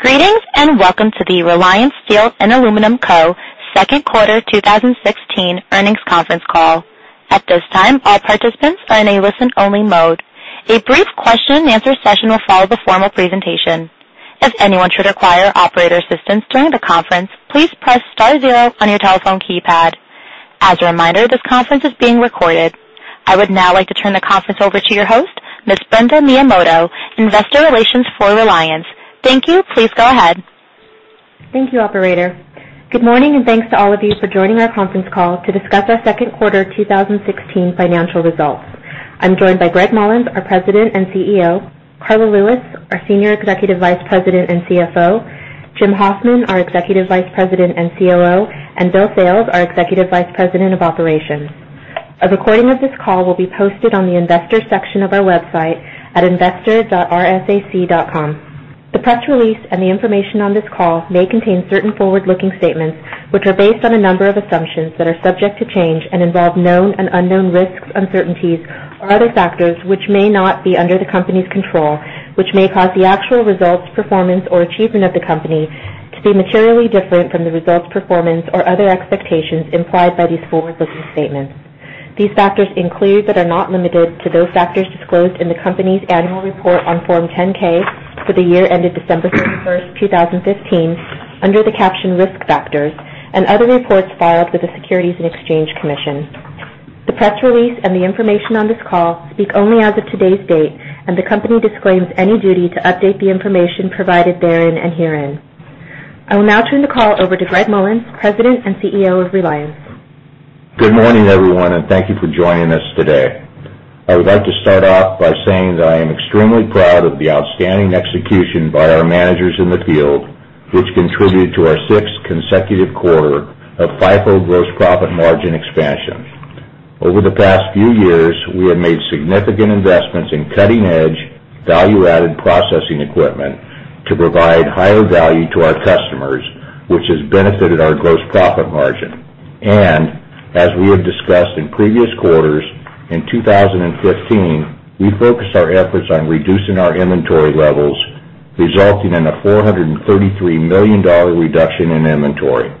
Greetings, and welcome to the Reliance Steel & Aluminum Co. second quarter 2016 earnings conference call. At this time, all participants are in a listen-only mode. A brief question and answer session will follow the formal presentation. If anyone should require operator assistance during the conference, please press star zero on your telephone keypad. As a reminder, this conference is being recorded. I would now like to turn the conference over to your host, Ms. Brenda Miyamoto, investor relations for Reliance. Thank you. Please go ahead. Thank you, operator. Good morning, and thanks to all of you for joining our conference call to discuss our second quarter 2016 financial results. I am joined by Gregg Mollins, our President and CEO, Karla Lewis, our Senior Executive Vice President and CFO, Jim Hoffman, our Executive Vice President and COO, and Bill Sales, our Executive Vice President of Operations. A recording of this call will be posted on the investors section of our website at investor.reliance.com. The press release and the information on this call may contain certain forward-looking statements, which are based on a number of assumptions that are subject to change and involve known and unknown risks, uncertainties or other factors which may not be under the company's control, which may cause the actual results, performance, or achievement of the company to be materially different from the results, performance, or other expectations implied by these forward-looking statements. These factors include, but are not limited to, those factors disclosed in the company's annual report on Form 10-K for the year ended December 31st, 2015, under the caption Risk Factors, and other reports filed with the Securities and Exchange Commission. The press release and the information on this call speak only as of today's date, and the company disclaims any duty to update the information provided therein and herein. I will now turn the call over to Gregg Mollins, President and CEO of Reliance. Good morning, everyone, and thank you for joining us today. I would like to start off by saying that I am extremely proud of the outstanding execution by our managers in the field, which contributed to our sixth consecutive quarter of FIFO gross profit margin expansion. Over the past few years, we have made significant investments in cutting-edge, value-added processing equipment to provide higher value to our customers, which has benefited our gross profit margin. As we have discussed in previous quarters, in 2015, we focused our efforts on reducing our inventory levels, resulting in a $433 million reduction in inventory.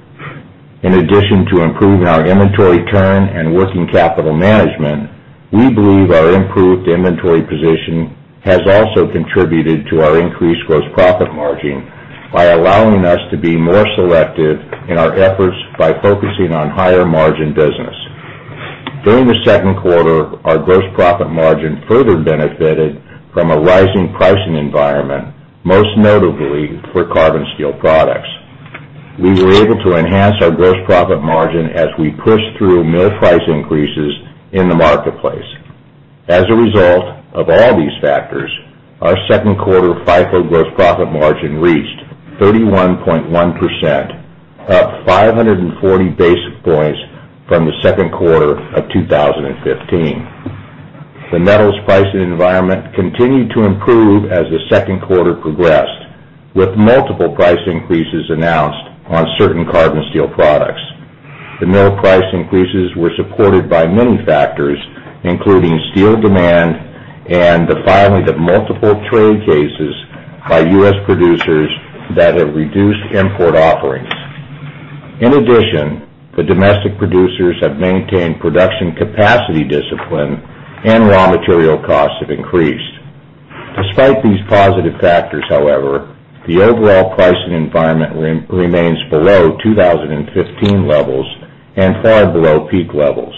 In addition to improving our inventory turn and working capital management, we believe our improved inventory position has also contributed to our increased gross profit margin by allowing us to be more selective in our efforts by focusing on higher-margin business. During the second quarter, our gross profit margin further benefited from a rising pricing environment, most notably for carbon steel products. We were able to enhance our gross profit margin as we pushed through mill price increases in the marketplace. As a result of all these factors, our second quarter FIFO gross profit margin reached 31.1%, up 540 basis points from the second quarter of 2015. The metals pricing environment continued to improve as the second quarter progressed, with multiple price increases announced on certain carbon steel products. The mill price increases were supported by many factors, including steel demand and the filing of multiple trade cases by U.S. producers that have reduced import offerings. In addition, the domestic producers have maintained production capacity discipline, and raw material costs have increased. Despite these positive factors, however, the overall pricing environment remains below 2015 levels and far below peak levels.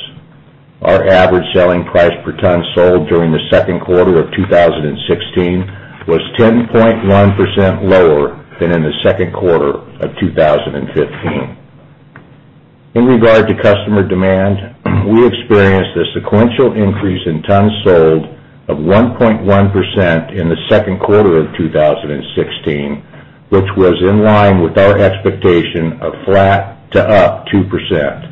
Our average selling price per ton sold during the second quarter of 2016 was 10.1% lower than in the second quarter of 2015. In regard to customer demand, we experienced a sequential increase in tons sold of 1.1% in the second quarter of 2016, which was in line with our expectation of flat to up 2%.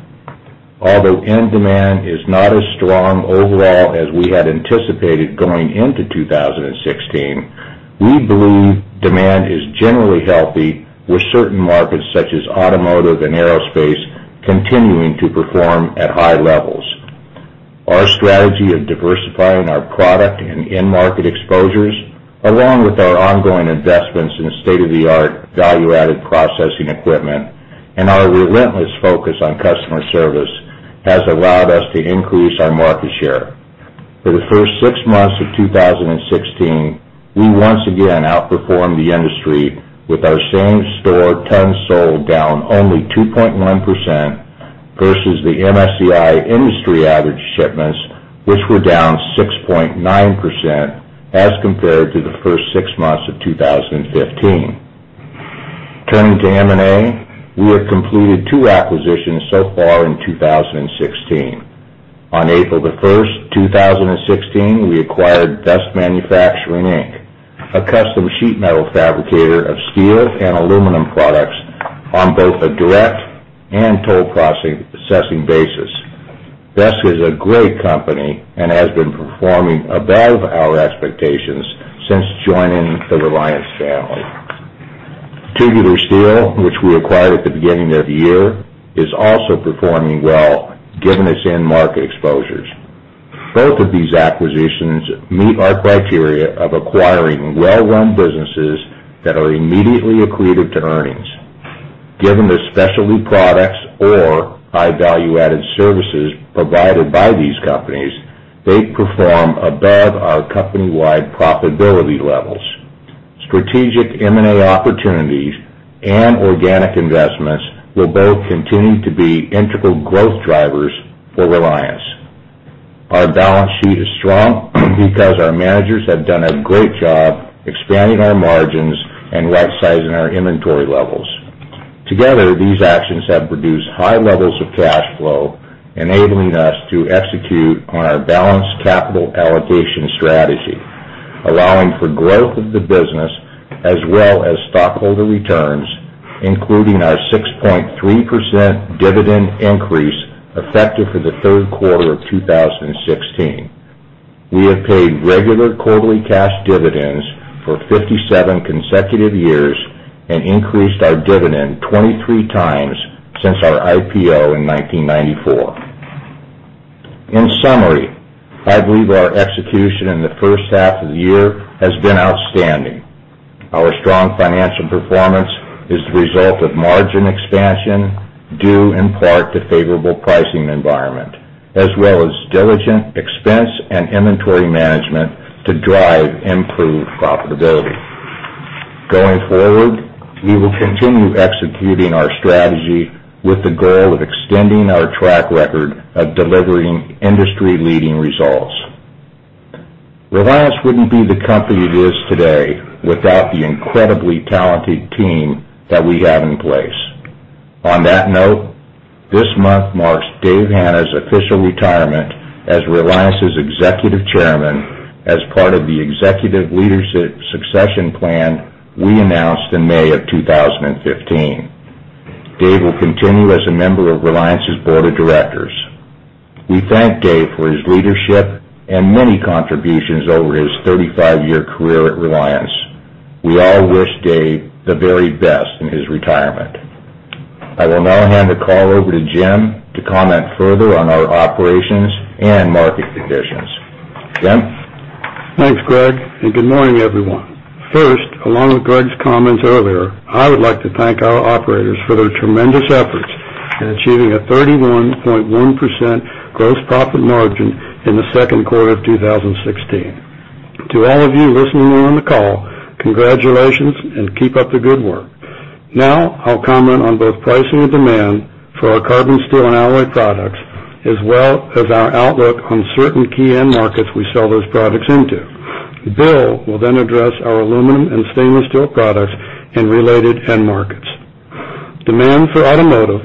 Although end demand is not as strong overall as we had anticipated going into 2016, we believe demand is generally healthy, with certain markets such as automotive and aerospace continuing to perform at high levels. Our strategy of diversifying our product and end market exposures, along with our ongoing investments in state-of-the-art value-added processing equipment and our relentless focus on customer service, has allowed us to increase our market share. For the first six months of 2016, we once again outperformed the industry with our same store tons sold down only 2.1% versus the MSCI industry average shipments, which were down 6.9% as compared to the first six months of 2015. Turning to M&A, we have completed two acquisitions so far in 2016. On April 1st, 2016, we acquired Best Manufacturing Inc., a custom sheet metal fabricator of steel and aluminum products on both a direct and toll processing basis. Best is a great company and has been performing above our expectations since joining the Reliance family. Tubular Steel, which we acquired at the beginning of the year, is also performing well given its end market exposures. Both of these acquisitions meet our criteria of acquiring well-run businesses that are immediately accretive to earnings. Given the specialty products or high value-added services provided by these companies, they perform above our company-wide profitability levels. Strategic M&A opportunities and organic investments will both continue to be integral growth drivers for Reliance. Our balance sheet is strong because our managers have done a great job expanding our margins and rightsizing our inventory levels. Together, these actions have produced high levels of cash flow, enabling us to execute on our balanced capital allocation strategy, allowing for growth of the business as well as stockholder returns, including our 6.3% dividend increase effective for the third quarter of 2016. We have paid regular quarterly cash dividends for 57 consecutive years and increased our dividend 23 times since our IPO in 1994. In summary, I believe our execution in the first half of the year has been outstanding. Our strong financial performance is the result of margin expansion, due in part to favorable pricing environment, as well as diligent expense and inventory management to drive improved profitability. Going forward, we will continue executing our strategy with the goal of extending our track record of delivering industry-leading results. Reliance wouldn't be the company it is today without the incredibly talented team that we have in place. On that note, this month marks Dave Hannah's official retirement as Reliance's Executive Chairman as part of the executive leadership succession plan we announced in May of 2015. Dave will continue as a member of Reliance's Board of Directors. We thank Dave for his leadership and many contributions over his 35-year career at Reliance. We all wish Dave the very best in his retirement. I will now hand the call over to Jim to comment further on our operations and market conditions. Jim? Thanks, Gregg, and good morning, everyone. First, along with Gregg's comments earlier, I would like to thank our operators for their tremendous efforts in achieving a 31.1% gross profit margin in the second quarter of 2016. To all of you listening in on the call, congratulations, and keep up the good work. Now, I'll comment on both pricing and demand for our carbon steel and alloy products, as well as our outlook on certain key end markets we sell those products into. Bill will then address our aluminum and stainless steel products and related end markets. Demand for automotive,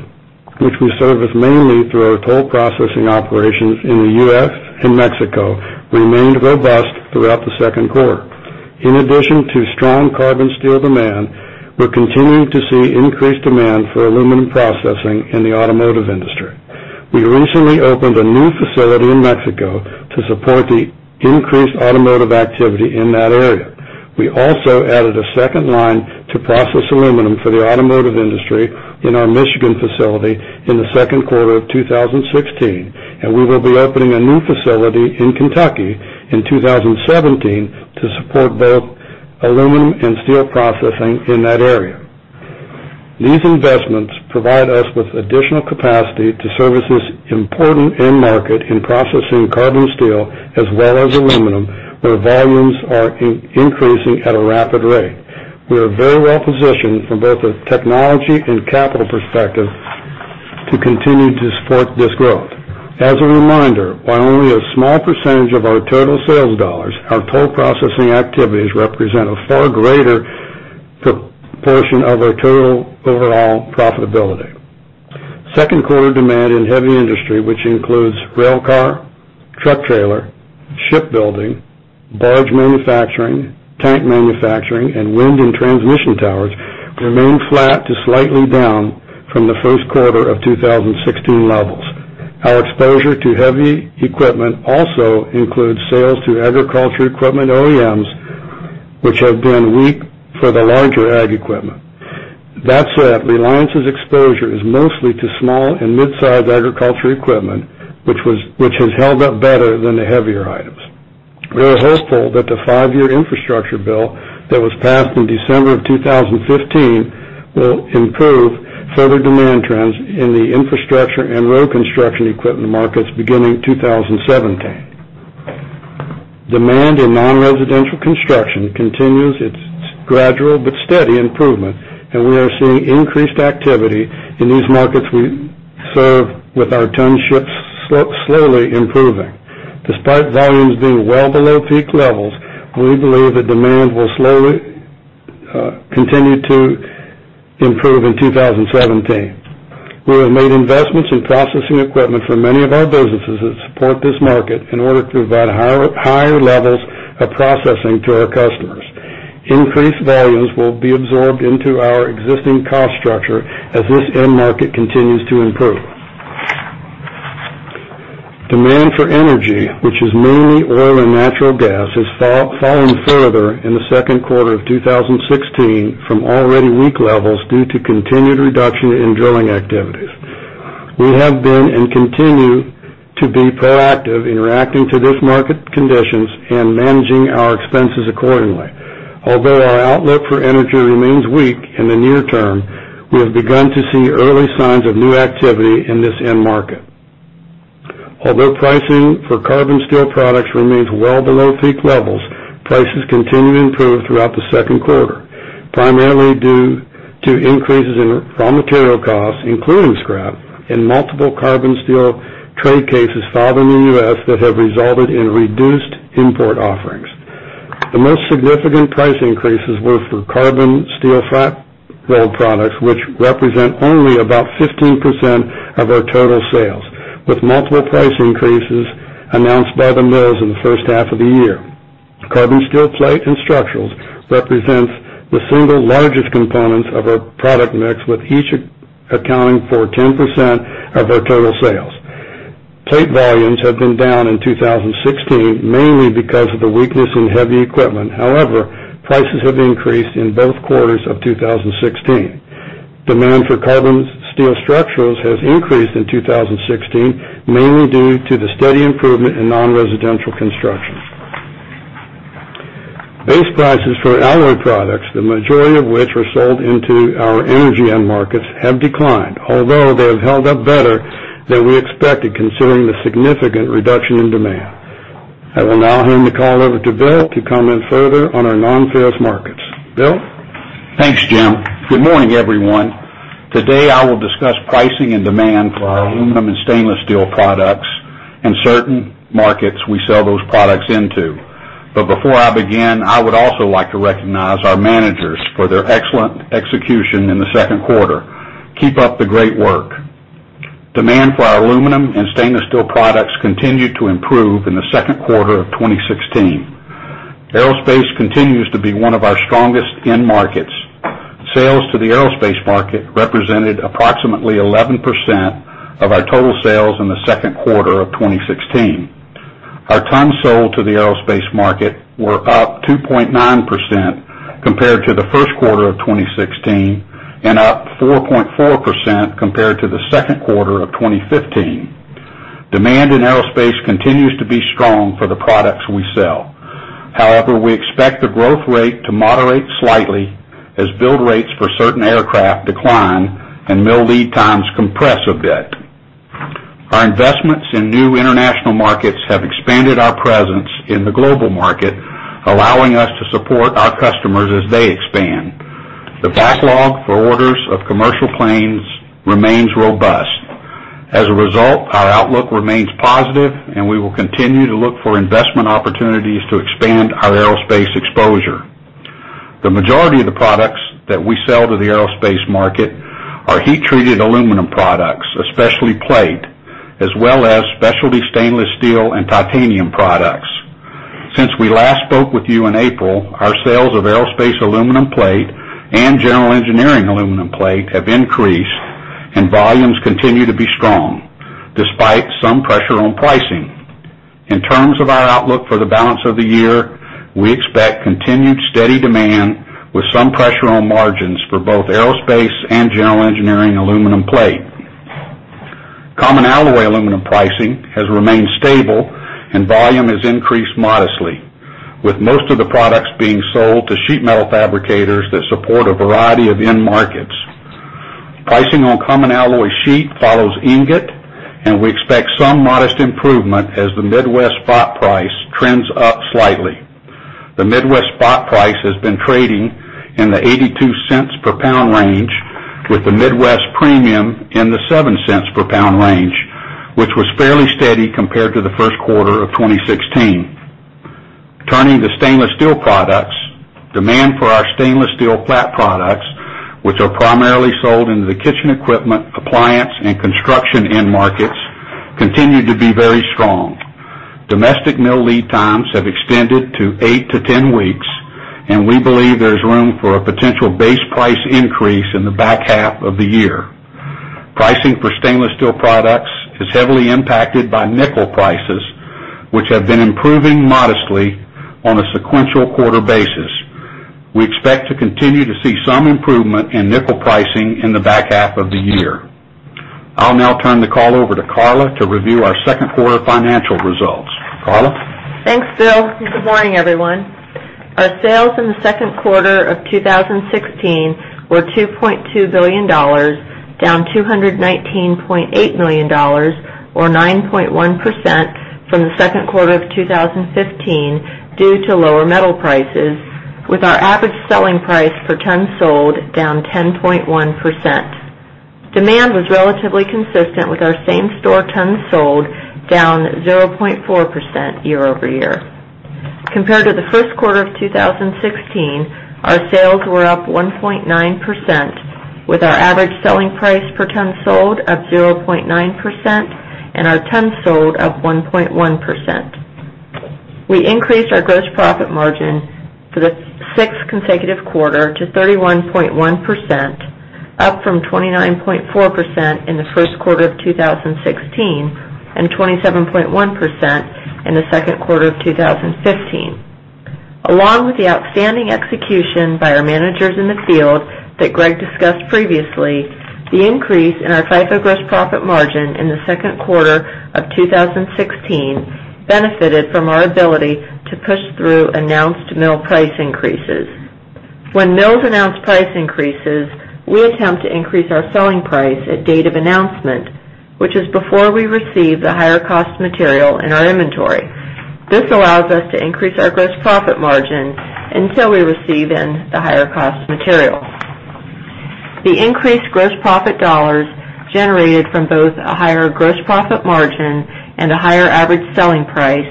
which we service mainly through our toll processing operations in the U.S. and Mexico, remained robust throughout the second quarter. In addition to strong carbon steel demand, we're continuing to see increased demand for aluminum processing in the automotive industry. We recently opened a new facility in Mexico to support the increased automotive activity in that area. We also added a second line to process aluminum for the automotive industry in our Michigan facility in the second quarter of 2016, and we will be opening a new facility in Kentucky in 2017 to support both aluminum and steel processing in that area. These investments provide us with additional capacity to service this important end market in processing carbon steel as well as aluminum, where volumes are increasing at a rapid rate. We are very well positioned from both a technology and capital perspective to continue to support this growth. As a reminder, while only a small percentage of our total sales dollars, our toll processing activities represent a far greater portion of our total overall profitability. Second quarter demand in heavy industry, which includes railcar, truck trailer, shipbuilding, barge manufacturing, tank manufacturing, and wind and transmission towers, remained flat to slightly down from the first quarter of 2016 levels. Our exposure to heavy equipment also includes sales to agriculture equipment OEMs, which have been weak for the larger ag equipment. That said, Reliance's exposure is mostly to small and mid-size agriculture equipment, which has held up better than the heavier items. We are hopeful that the five-year infrastructure bill that was passed in December of 2015 will improve further demand trends in the infrastructure and road construction equipment markets beginning 2017. Demand in non-residential construction continues its gradual but steady improvement, and we are seeing increased activity in these markets we serve with our tons shipped slowly improving. Despite volumes being well below peak levels, we believe that demand will slowly continue to improve in 2017. We have made investments in processing equipment for many of our businesses that support this market in order to provide higher levels of processing to our customers. Increased volumes will be absorbed into our existing cost structure as this end market continues to improve. Demand for energy, which is mainly oil and natural gas, has fallen further in the second quarter of 2016 from already weak levels due to continued reduction in drilling activities. We have been, and continue to be proactive in reacting to this market conditions and managing our expenses accordingly. Although our outlook for energy remains weak in the near term, we have begun to see early signs of new activity in this end market. Although pricing for carbon steel products remains well below peak levels, prices continue to improve throughout the second quarter, primarily due to increases in raw material costs, including scrap and multiple carbon steel trade cases filed in the U.S. that have resulted in reduced import offerings. The most significant price increases were for carbon steel flat rolled products, which represent only about 15% of our total sales, with multiple price increases announced by the mills in the first half of the year. Carbon steel plate and structurals represents the single largest components of our product mix, with each accounting for 10% of our total sales. Plate volumes have been down in 2016, mainly because of the weakness in heavy equipment. However, prices have increased in both quarters of 2016. Demand for carbon steel structurals has increased in 2016, mainly due to the steady improvement in non-residential construction. Base prices for alloy products, the majority of which were sold into our energy end markets, have declined, although they have held up better than we expected considering the significant reduction in demand. I will now hand the call over to Bill to comment further on our non-ferrous markets. Bill? Thanks, Jim. Good morning, everyone. Today, I will discuss pricing and demand for our aluminum and stainless steel products and certain markets we sell those products into. Before I begin, I would also like to recognize our managers for their excellent execution in the second quarter. Keep up the great work. Demand for our aluminum and stainless steel products continued to improve in the second quarter of 2016. Aerospace continues to be one of our strongest end markets. Sales to the aerospace market represented approximately 11% of our total sales in the second quarter of 2016. Our tons sold to the aerospace market were up 2.9% compared to the first quarter of 2016, and up 4.4% compared to the second quarter of 2015. Demand in aerospace continues to be strong for the products we sell. However, we expect the growth rate to moderate slightly as build rates for certain aircraft decline and mill lead times compress a bit. Our investments in new international markets have expanded our presence in the global market, allowing us to support our customers as they expand. The backlog for orders of commercial planes remains robust. As a result, our outlook remains positive and we will continue to look for investment opportunities to expand our aerospace exposure. The majority of the products that we sell to the aerospace market are heat-treated aluminum products, especially plate, as well as specialty stainless steel and titanium products. Since we last spoke with you in April, our sales of aerospace aluminum plate and general engineering aluminum plate have increased, and volumes continue to be strong despite some pressure on pricing. In terms of our outlook for the balance of the year, we expect continued steady demand with some pressure on margins for both aerospace and general engineering aluminum plate. Common alloy aluminum pricing has remained stable and volume has increased modestly with most of the products being sold to sheet metal fabricators that support a variety of end markets. Pricing on common alloy sheet follows ingot. We expect some modest improvement as the Midwest spot price trends up slightly. The Midwest spot price has been trading in the $0.82 per pound range, with the Midwest premium in the $0.07 per pound range, which was fairly steady compared to the first quarter of 2016. Turning to stainless steel products, demand for our stainless steel flat products, which are primarily sold into the kitchen equipment, appliance, and construction end markets, continued to be very strong. Domestic mill lead times have extended to eight to 10 weeks. We believe there's room for a potential base price increase in the back half of the year. Pricing for stainless steel products is heavily impacted by nickel prices, which have been improving modestly on a sequential quarter basis. We expect to continue to see some improvement in nickel pricing in the back half of the year. I'll now turn the call over to Karla to review our second quarter financial results. Karla? Thanks, Bill, and good morning, everyone. Our sales in the second quarter of 2016 were $2.2 billion, down $219.8 million, or 9.1% from the second quarter of 2015 due to lower metal prices, with our average selling price per ton sold down 10.1%. Demand was relatively consistent with our same store tons sold down 0.4% year-over-year. Compared to the first quarter of 2016, our sales were up 1.9%, with our average selling price per ton sold up 0.9%. Our tons sold up 1.1%. We increased our gross profit margin for the sixth consecutive quarter to 31.1%, up from 29.4% in the first quarter of 2016 and 27.1% in the second quarter of 2015. Along with the outstanding execution by our managers in the field that Gregg discussed previously, the increase in our FIFO gross profit margin in the second quarter of 2016 benefited from our ability to push through announced mill price increases. When mills announce price increases, we attempt to increase our selling price at date of announcement, which is before we receive the higher-cost material in our inventory. This allows us to increase our gross profit margin until we receive then the higher-cost material. The increased gross profit dollars generated from both a higher gross profit margin and a higher average selling price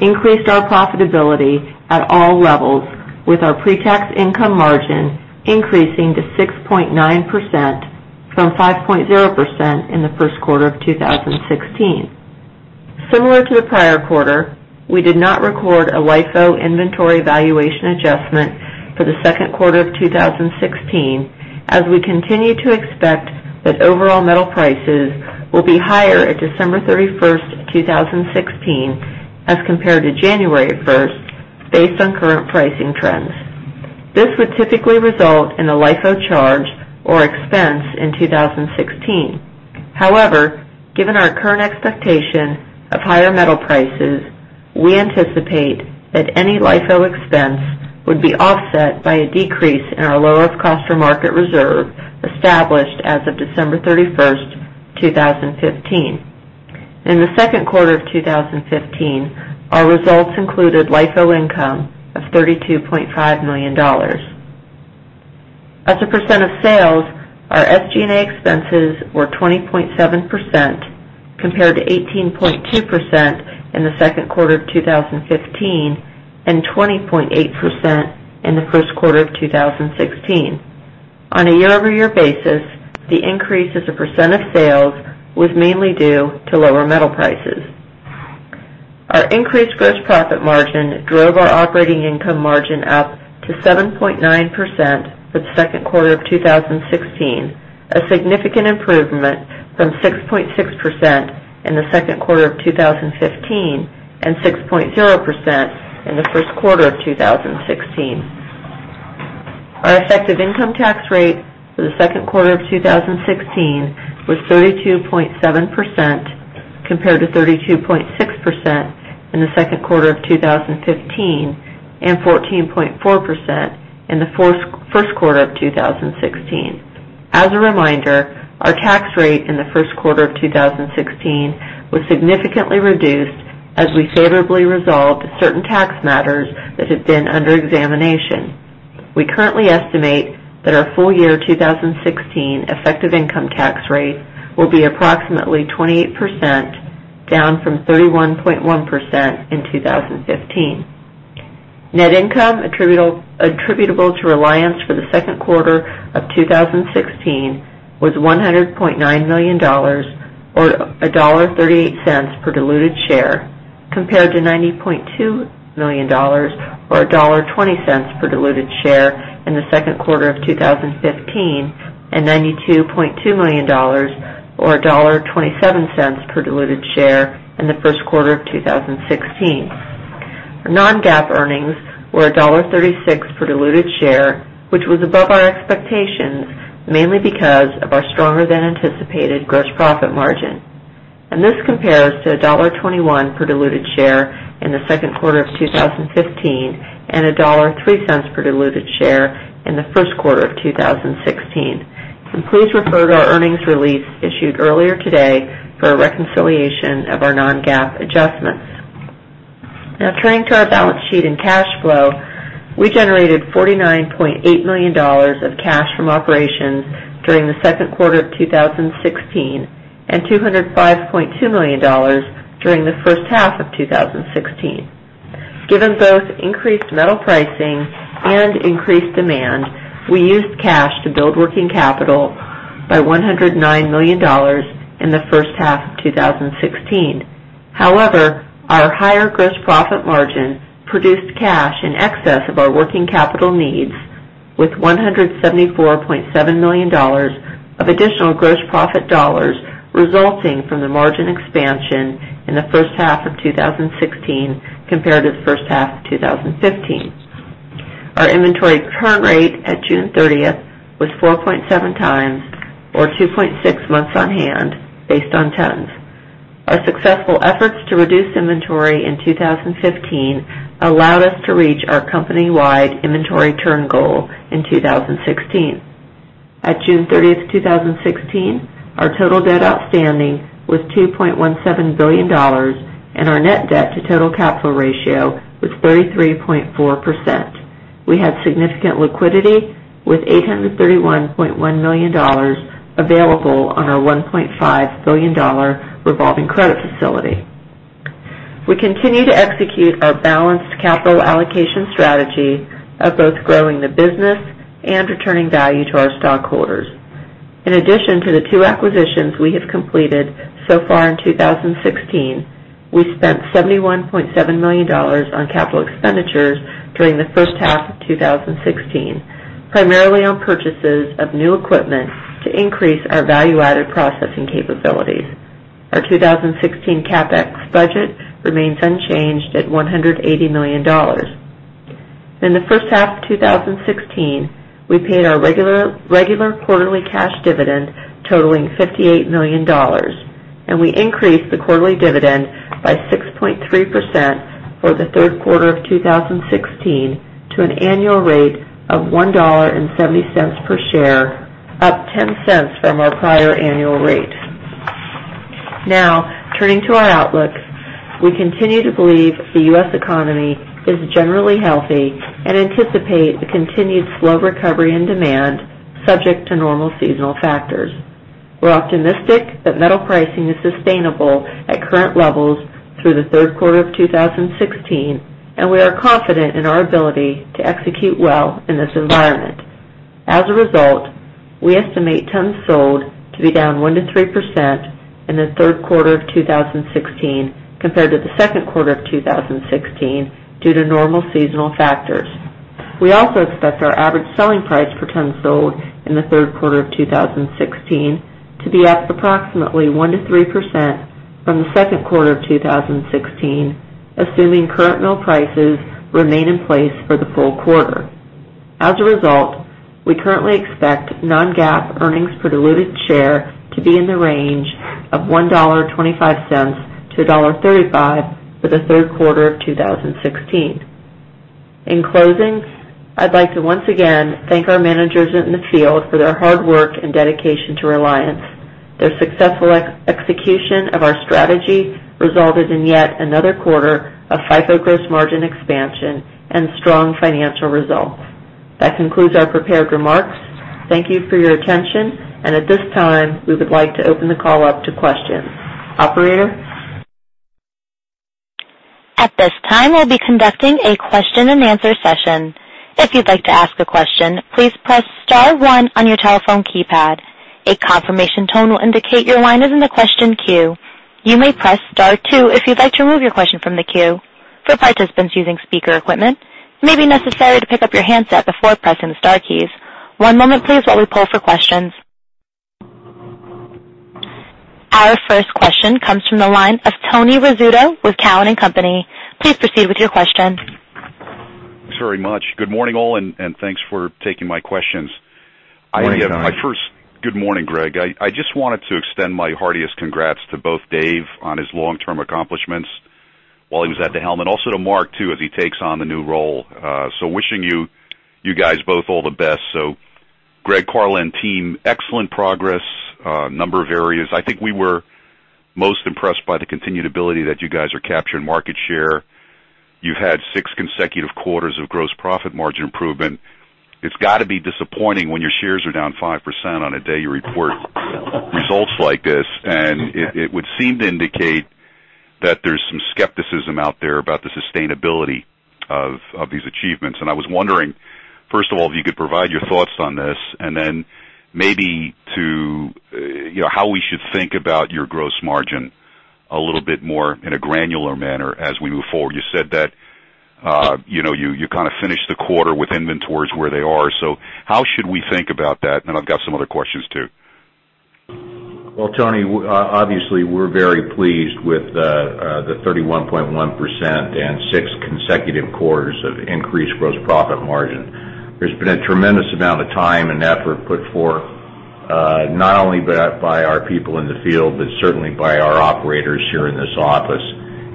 increased our profitability at all levels with our pre-tax income margin increasing to 6.9% from 5.0% in the first quarter of 2016. Similar to the prior quarter, we did not record a LIFO inventory valuation adjustment for the second quarter of 2016, as we continue to expect that overall metal prices will be higher at December 31st, 2016, as compared to January 1st, based on current pricing trends. This would typically result in a LIFO charge or expense in 2016. Given our current expectation of higher metal prices, we anticipate that any LIFO expense would be offset by a decrease in our lower cost for market reserve established as of December 31st, 2015. In the second quarter of 2015, our results included LIFO income of $32.5 million. As a percent of sales, our SG&A expenses were 20.7% compared to 18.2% in the second quarter of 2015 and 20.8% in the first quarter of 2016. On a year-over-year basis, the increase as a percent of sales was mainly due to lower metal prices. Our increased gross profit margin drove our operating income margin up to 7.9% for the second quarter of 2016, a significant improvement from 6.6% in the second quarter of 2015 and 6.0% in the first quarter of 2016. Our effective income tax rate for the second quarter of 2016 was 32.7% compared to 32.6% in the second quarter of 2015 and 14.4% in the first quarter of 2016. As a reminder, our tax rate in the first quarter of 2016 was significantly reduced as we favorably resolved certain tax matters that had been under examination. We currently estimate that our full year 2016 effective income tax rate will be approximately 28%, down from 31.1% in 2015. Net income attributable to Reliance for the second quarter of 2016 was $100.9 million or $1.38 per diluted share, compared to $90.2 million or $1.20 per diluted share in the second quarter of 2015 and $92.2 million or $1.27 per diluted share in the first quarter of 2016. Our non-GAAP earnings were $1.36 per diluted share, which was above our expectations, mainly because of our stronger than anticipated gross profit margin. This compares to $1.21 per diluted share in the second quarter of 2015 and $1.03 per diluted share in the first quarter of 2016. Please refer to our earnings release issued earlier today for a reconciliation of our non-GAAP adjustments. Now turning to our balance sheet and cash flow. We generated $49.8 million of cash from operations during the second quarter of 2016 and $205.2 million during the first half of 2016. Given both increased metal pricing and increased demand, we used cash to build working capital by $109 million in the first half of 2016. Our higher gross profit margin produced cash in excess of our working capital needs, with $174.7 million of additional gross profit dollars resulting from the margin expansion in the first half of 2016 compared to the first half of 2015. Our inventory turn rate at June 30th was 4.7 times or 2.6 months on hand based on tons. Our successful efforts to reduce inventory in 2015 allowed us to reach our company-wide inventory turn goal in 2016. At June 30th, 2016, our total debt outstanding was $2.17 billion, and our net debt to total capital ratio was 33.4%. We had significant liquidity with $831.1 million available on our $1.5 billion revolving credit facility. We continue to execute our balanced capital allocation strategy of both growing the business and returning value to our stockholders. In addition to the two acquisitions we have completed so far in 2016, we spent $71.7 million on capital expenditures during the first half of 2016, primarily on purchases of new equipment to increase our value-added processing capabilities. Our 2016 CapEx budget remains unchanged at $180 million. In the first half of 2016, we paid our regular quarterly cash dividend totaling $58 million, we increased the quarterly dividend by 6.3% for the third quarter of 2016 to an annual rate of $1.70 per share, up $0.10 from our prior annual rate. Turning to our outlook, we continue to believe the U.S. economy is generally healthy and anticipate the continued slow recovery and demand subject to normal seasonal factors. We're optimistic that metal pricing is sustainable at current levels through the third quarter of 2016, and we are confident in our ability to execute well in this environment. As a result, we estimate tons sold to be down 1%-3% in the third quarter of 2016 compared to the second quarter of 2016 due to normal seasonal factors. We also expect our average selling price per ton sold in the third quarter of 2016 to be up approximately 1%-3% from the second quarter of 2016, assuming current mill prices remain in place for the full quarter. As a result, we currently expect non-GAAP earnings per diluted share to be in the range of $1.25-$1.35 for the third quarter of 2016. In closing, I'd like to once again thank our managers in the field for their hard work and dedication to Reliance. Their successful execution of our strategy resulted in yet another quarter of FIFO gross margin expansion and strong financial results. That concludes our prepared remarks. Thank you for your attention, at this time, we would like to open the call up to questions. Operator? At this time, we'll be conducting a question-and-answer session. If you'd like to ask a question, please press *1 on your telephone keypad. A confirmation tone will indicate your line is in the question queue. You may press *2 if you'd like to remove your question from the queue. For participants using speaker equipment, it may be necessary to pick up your handset before pressing the * keys. One moment please, while we pull for questions. Our first question comes from the line of Tony Rizzuto with Cowen and Company. Please proceed with your question. Thanks very much. Good morning, all, and thanks for taking my questions. Good morning, Tony. Good morning, Gregg. I just wanted to extend my heartiest congrats to both Dave on his long-term accomplishments while he was at the helm, and also to Mark, too, as he takes on the new role. Wishing you guys both all the best. Gregg, Karla, and team, excellent progress, a number of areas. I think we were most impressed by the continued ability that you guys are capturing market share. You've had six consecutive quarters of gross profit margin improvement. It's got to be disappointing when your shares are down 5% on a day you report results like this, and it would seem to indicate that there's some skepticism out there about the sustainability of these achievements. I was wondering, first of all, if you could provide your thoughts on this, then maybe how we should think about your gross margin a little bit more in a granular manner as we move forward. You said that you kind of finished the quarter with inventories where they are. How should we think about that? I've got some other questions, too. Well, Tony, obviously, we're very pleased with the 31.1% and six consecutive quarters of increased gross profit margin. There's been a tremendous amount of time and effort put forth, not only by our people in the field, but certainly by our operators here in this office.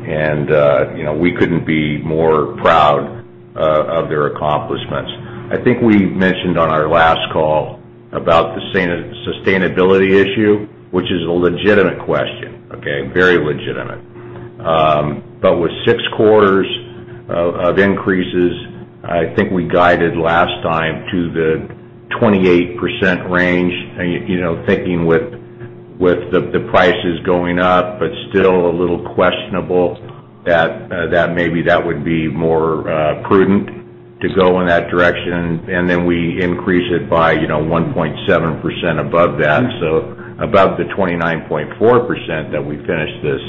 We couldn't be more proud of their accomplishments. I think we mentioned on our last call about the sustainability issue, which is a legitimate question, okay? Very legitimate. With six quarters of increases, I think we guided last time to the 28% range, thinking with the prices going up, but still a little questionable that maybe that would be more prudent to go in that direction. Then we increase it by 1.7% above that. Above the 29.4% that we finished the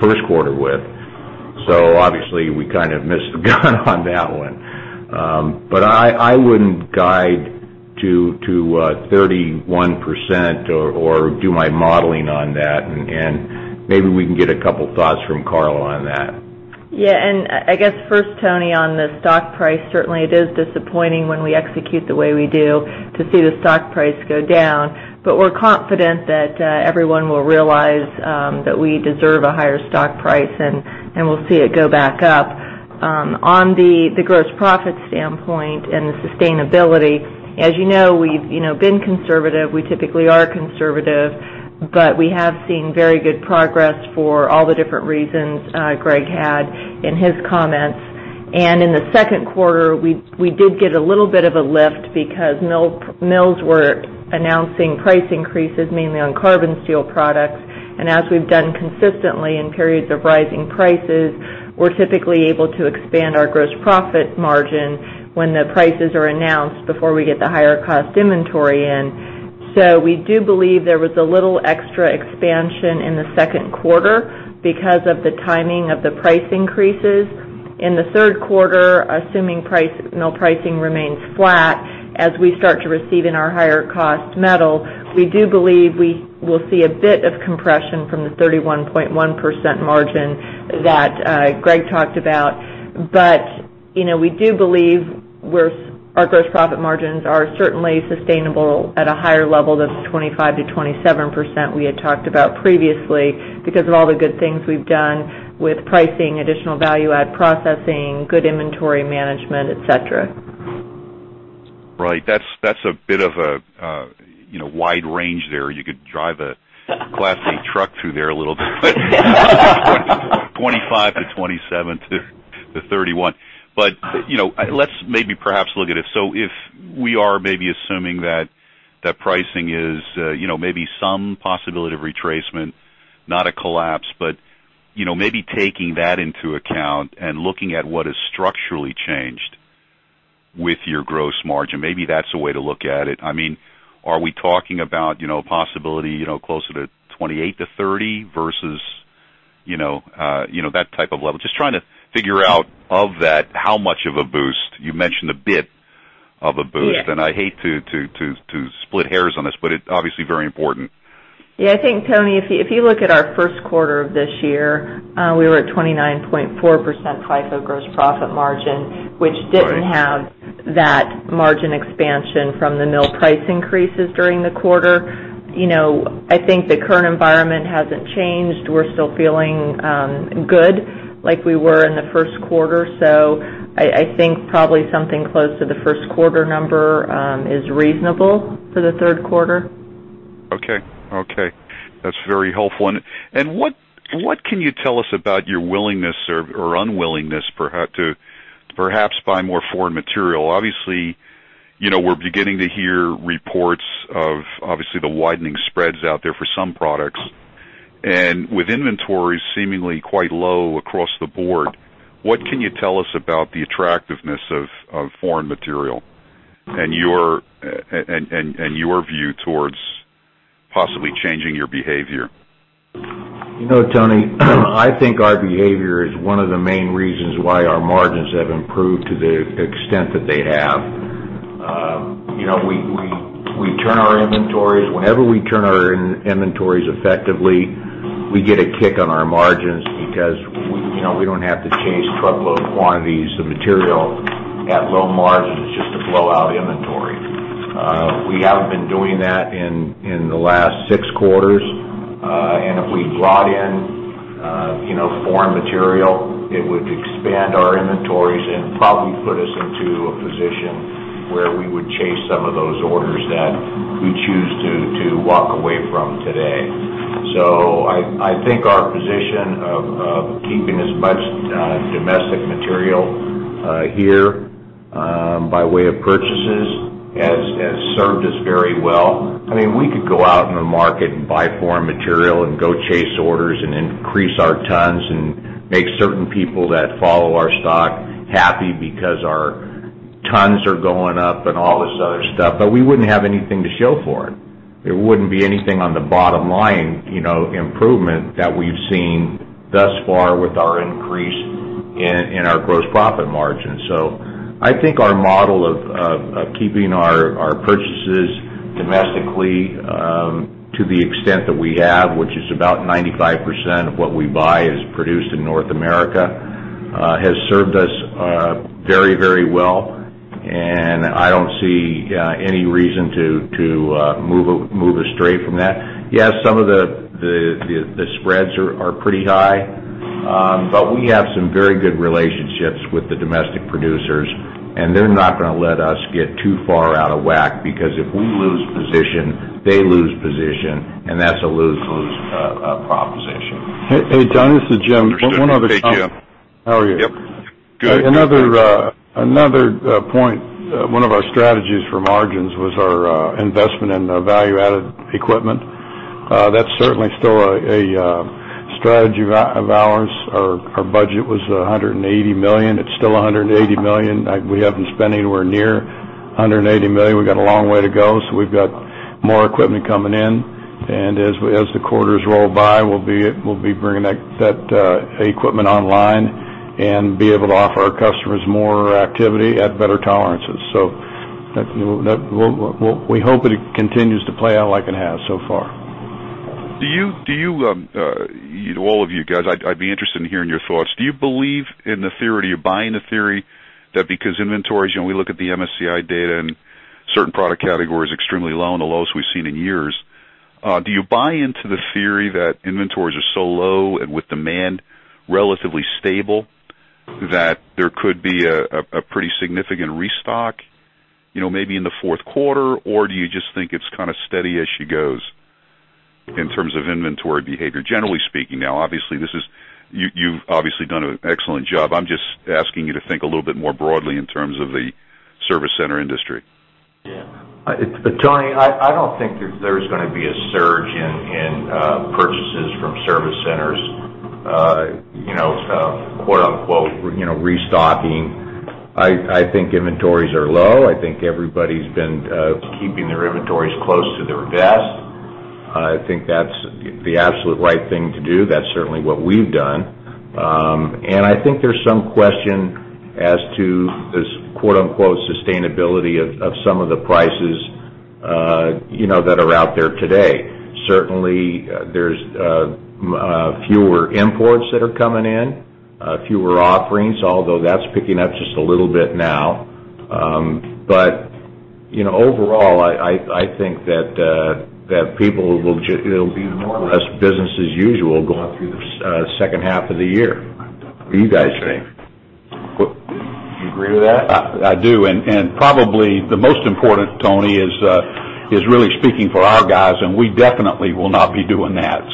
first quarter with. Obviously, we kind of missed the gun on that one. I wouldn't guide to 31% or do my modeling on that. Maybe we can get a couple thoughts from Karla on that. Yeah. I guess first, Tony, on the stock price, certainly it is disappointing when we execute the way we do to see the stock price go down. We're confident that everyone will realize that we deserve a higher stock price, and we'll see it go back up. On the gross profit standpoint and the sustainability, as you know, we've been conservative. We typically are conservative, but we have seen very good progress for all the different reasons Gregg had in his comments. In the second quarter, we did get a little bit of a lift because mills were announcing price increases, mainly on carbon steel products. As we've done consistently in periods of rising prices, we're typically able to expand our gross profit margin when the prices are announced before we get the higher cost inventory in. We do believe there was a little extra expansion in the second quarter because of the timing of the price increases. In the third quarter, assuming mill pricing remains flat, as we start to receive in our higher cost metal, we do believe we will see a bit of compression from the 31.1% margin that Gregg talked about. We do believe our gross profit margins are certainly sustainable at a higher level than the 25%-27% we had talked about previously, because of all the good things we've done with pricing, additional value-add processing, good inventory management, et cetera. Right. That's a bit of a wide range there. You could drive a Class A truck through there a little bit. 25 to 27 to 31. Let's maybe perhaps look at it. If we are maybe assuming that pricing is maybe some possibility of retracement, not a collapse, but maybe taking that into account and looking at what has structurally changed with your gross margin. Maybe that's the way to look at it. Are we talking about a possibility closer to 28 to 30 versus that type of level? Just trying to figure out, of that, how much of a boost. You mentioned a bit of a boost. Yes. I hate to split hairs on this. It's obviously very important. Yeah. I think, Tony, if you look at our first quarter of this year, we were at 29.4% FIFO gross profit margin. Right which didn't have that margin expansion from the mill price increases during the quarter. I think the current environment hasn't changed. We're still feeling good, like we were in the first quarter. I think probably something close to the first quarter number is reasonable for the third quarter. Okay. That's very helpful. What can you tell us about your willingness or unwillingness to perhaps buy more foreign material? Obviously, we're beginning to hear reports of the widening spreads out there for some products. With inventories seemingly quite low across the board, what can you tell us about the attractiveness of foreign material and your view towards possibly changing your behavior? Tony, I think our behavior is one of the main reasons why our margins have improved to the extent that they have. We turn our inventories. Whenever we turn our inventories effectively, we get a kick on our margins because we don't have to chase truckload quantities of material at low margins just to blow out inventory. We haven't been doing that in the last six quarters. If we brought in foreign material, it would expand our inventories and probably put us into a position where we would chase some of those orders that we choose to walk away from today. I think our position of keeping as much domestic material here, by way of purchases, has served us very well. We could go out in the market and buy foreign material and go chase orders and increase our tons and make certain people that follow our stock happy because our tons are going up and all this other stuff. We wouldn't have anything to show for it. There wouldn't be anything on the bottom line, improvement that we've seen thus far with our increase in our gross profit margin. I think our model of keeping our purchases domestically, to the extent that we have, which is about 95% of what we buy is produced in North America, has served us very well, and I don't see any reason to move astray from that. Yes, some of the spreads are pretty high, but we have some very good relationships with the domestic producers, and they're not going to let us get too far out of whack, because if we lose position, they lose position, and that's a lose-lose proposition. Hey, Tony, this is Jim. Understood. Thank you. How are you? Yep. Good. Another point. One of our strategies for margins was our investment in the value-added equipment. That's certainly still a strategy of ours. Our budget was $180 million. It's still $180 million. We haven't spent anywhere near $180 million. We've got a long way to go. We've got more equipment coming in, and as the quarters roll by, we'll be bringing that equipment online and be able to offer our customers more activity at better tolerances. We hope it continues to play out like it has so far. To all of you guys, I'd be interested in hearing your thoughts. Do you believe in the theory? Do you buy into theory that because inventories, we look at the MSCI data and certain product categories extremely low and the lowest we've seen in years, that inventories are so low and with demand relatively stable, that there could be a pretty significant restock maybe in the fourth quarter, or do you just think it's kind of steady as she goes in terms of inventory behavior? Generally speaking now, you've obviously done an excellent job. I'm just asking you to think a little bit more broadly in terms of the service center industry. Yeah. Tony, I don't think there's going to be a surge in purchases from service centers "restocking." I think inventories are low. I think everybody's been keeping their inventories close to their vest. I think that's the absolute right thing to do. That's certainly what we've done. I think there's some question as to this "sustainability" of some of the prices that are out there today. Certainly, there's fewer imports that are coming in, fewer offerings, although that's picking up just a little bit now. Overall, I think that it'll be more or less business as usual going through the second half of the year. What do you guys think? Do you agree with that? I do. Probably the most important, Tony, is really speaking for our guys, and we definitely will not be doing that.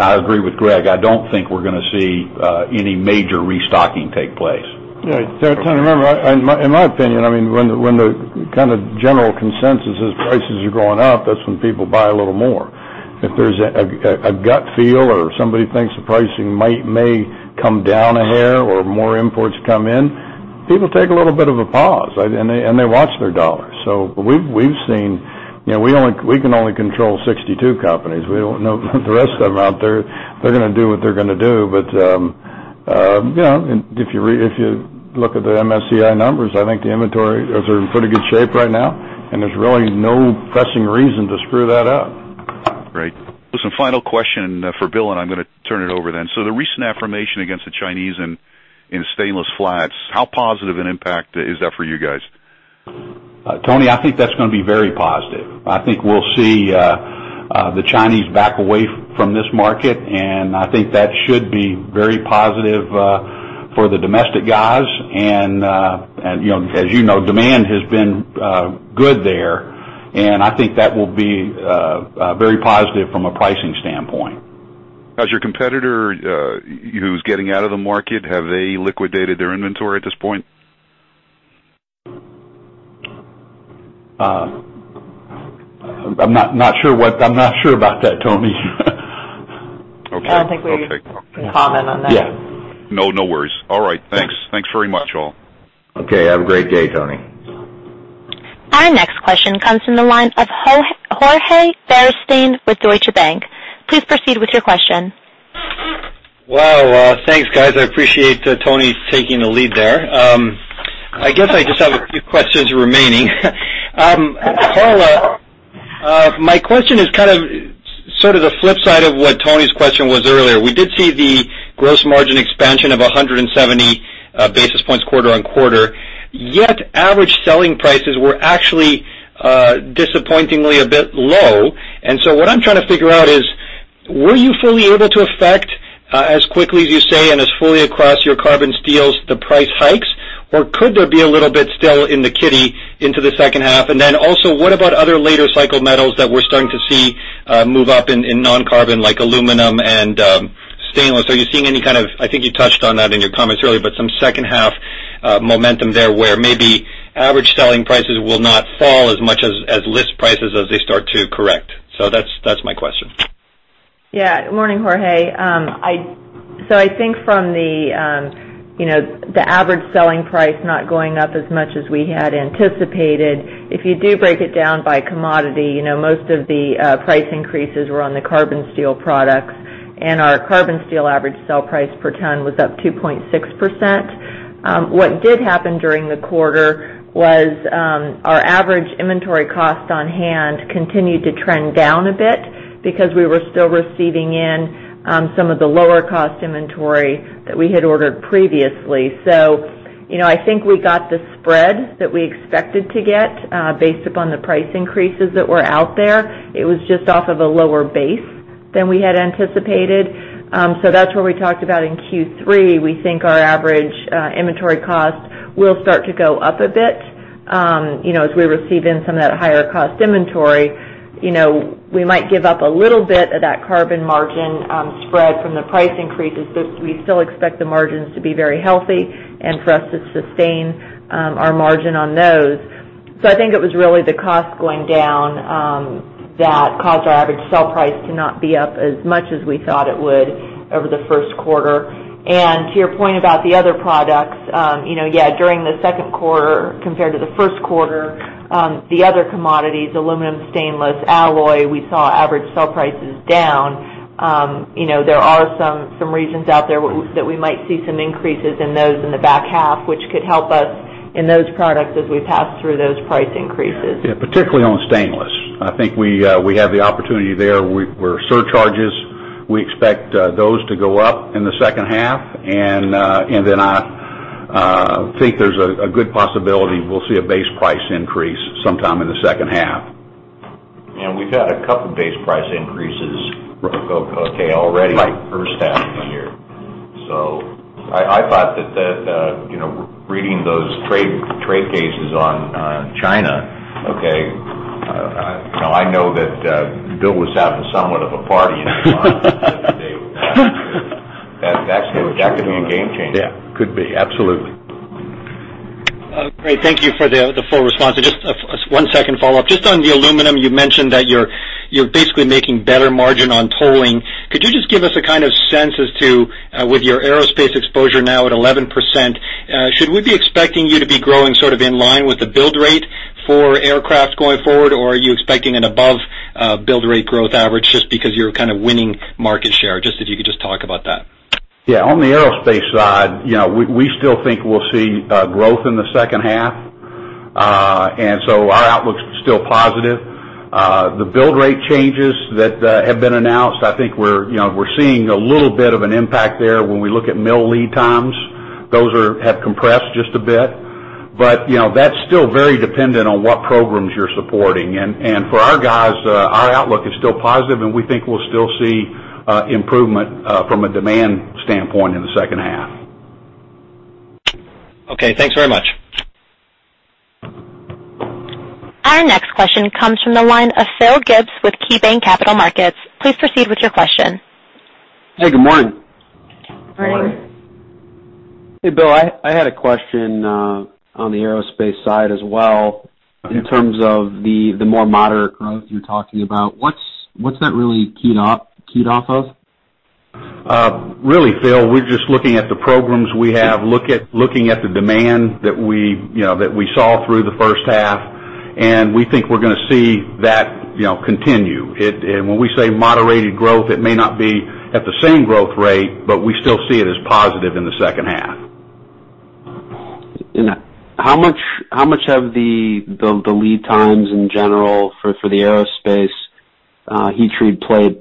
I agree with Gregg. I don't think we're going to see any major restocking take place. Right. Tony, remember, in my opinion, when the kind of general consensus is prices are going up, that's when people buy a little more. If there's a gut feel or somebody thinks the pricing may come down a hair or more imports come in, people take a little bit of a pause, and they watch their dollars. We can only control 62 companies. We don't know the rest of them out there. They're going to do what they're going to do. If you look at the MSCI numbers, I think the inventory is in pretty good shape right now, and there's really no pressing reason to screw that up. Great. Listen, final question for Bill, I'm going to turn it over then. The recent affirmation against the Chinese in stainless flats, how positive an impact is that for you guys? Tony, I think that's going to be very positive. I think we'll see the Chinese back away from this market, I think that should be very positive for the domestic guys. As you know, demand has been good there, I think that will be very positive from a pricing standpoint. Has your competitor who's getting out of the market, have they liquidated their inventory at this point? I'm not sure about that, Tony. Okay. I don't think we can comment on that. Yeah. No worries. All right. Thanks very much, all. Okay. Have a great day, Tony. Our next question comes from the line of Jorge Beristain with Deutsche Bank. Please proceed with your question. Wow. Thanks, guys. I appreciate Tony taking the lead there. I guess I just have a few questions remaining. Karla, my question is kind of sort of the flip side of what Tony's question was earlier. We did see the gross margin expansion of 170 basis points quarter-on-quarter, yet average selling prices were actually disappointingly a bit low. What I'm trying to figure out is, were you fully able to affect, as quickly as you say and as fully across your carbon steels, the price hikes, or could there be a little bit still in the kitty into the second half? Also, what about other later cycle metals that we're starting to see move up in non-carbon, like aluminum and stainless? Are you seeing any kind of, I think you touched on that in your comments earlier, some second-half momentum there where maybe average selling prices will not fall as much as list prices as they start to correct? That's my question. Morning, Jorge. I think from the average selling price not going up as much as we had anticipated, if you do break it down by commodity, most of the price increases were on the carbon steel products. Our carbon steel average sale price per ton was up 2.6%. What did happen during the quarter was our average inventory cost on hand continued to trend down a bit because we were still receiving in some of the lower-cost inventory that we had ordered previously. I think we got the spread that we expected to get based upon the price increases that were out there. It was just off of a lower base than we had anticipated. That's where we talked about in Q3, we think our average inventory cost will start to go up a bit as we receive in some of that higher-cost inventory. We might give up a little bit of that carbon margin spread from the price increases, we still expect the margins to be very healthy and for us to sustain our margin on those. I think it was really the cost going down that caused our average sale price to not be up as much as we thought it would over the first quarter. To your point about the other products, during the second quarter compared to the first quarter, the other commodities, aluminum, stainless, alloy, we saw average sale prices down. There are some regions out there that we might see some increases in those in the back half, which could help us in those products as we pass through those price increases. Particularly on stainless. I think we have the opportunity there where surcharges, we expect those to go up in the second half, I think there's a good possibility we'll see a base price increase sometime in the second half. We've had a couple base price increases go already the first half of the year. I thought that reading those trade cases on China, I know that Bill was having somewhat of a party in his office the other day. That could be a game changer. Yeah. Could be, absolutely. Great. Thank you for the full response. Just one second follow-up. Just on the aluminum, you mentioned that you're basically making better margin on tolling. Could you just give us a kind of sense as to, with your aerospace exposure now at 11%, should we be expecting you to be growing sort of in line with the build rate for aircraft going forward? Or are you expecting an above build rate growth average just because you're kind of winning market share? If you could just talk about that. Yeah. On the aerospace side, we still think we'll see growth in the second half. Our outlook's still positive. The build rate changes that have been announced, I think we're seeing a little bit of an impact there when we look at mill lead times. Those have compressed just a bit. That's still very dependent on what programs you're supporting. For our guys, our outlook is still positive, and we think we'll still see improvement from a demand standpoint in the second half. Okay, thanks very much. Our next question comes from the line of Philip Gibbs with KeyBanc Capital Markets. Please proceed with your question. Hey, good morning. Morning. Hey, Bill, I had a question on the aerospace side as well. Okay In terms of the more moderate growth you're talking about. What's that really keyed off of? Really, Phil, we're just looking at the programs we have, looking at the demand that we saw through the first half, and we think we're going to see that continue. When we say moderated growth, it may not be at the same growth rate, but we still see it as positive in the second half. How much have the lead times in general for the aerospace heat treat plate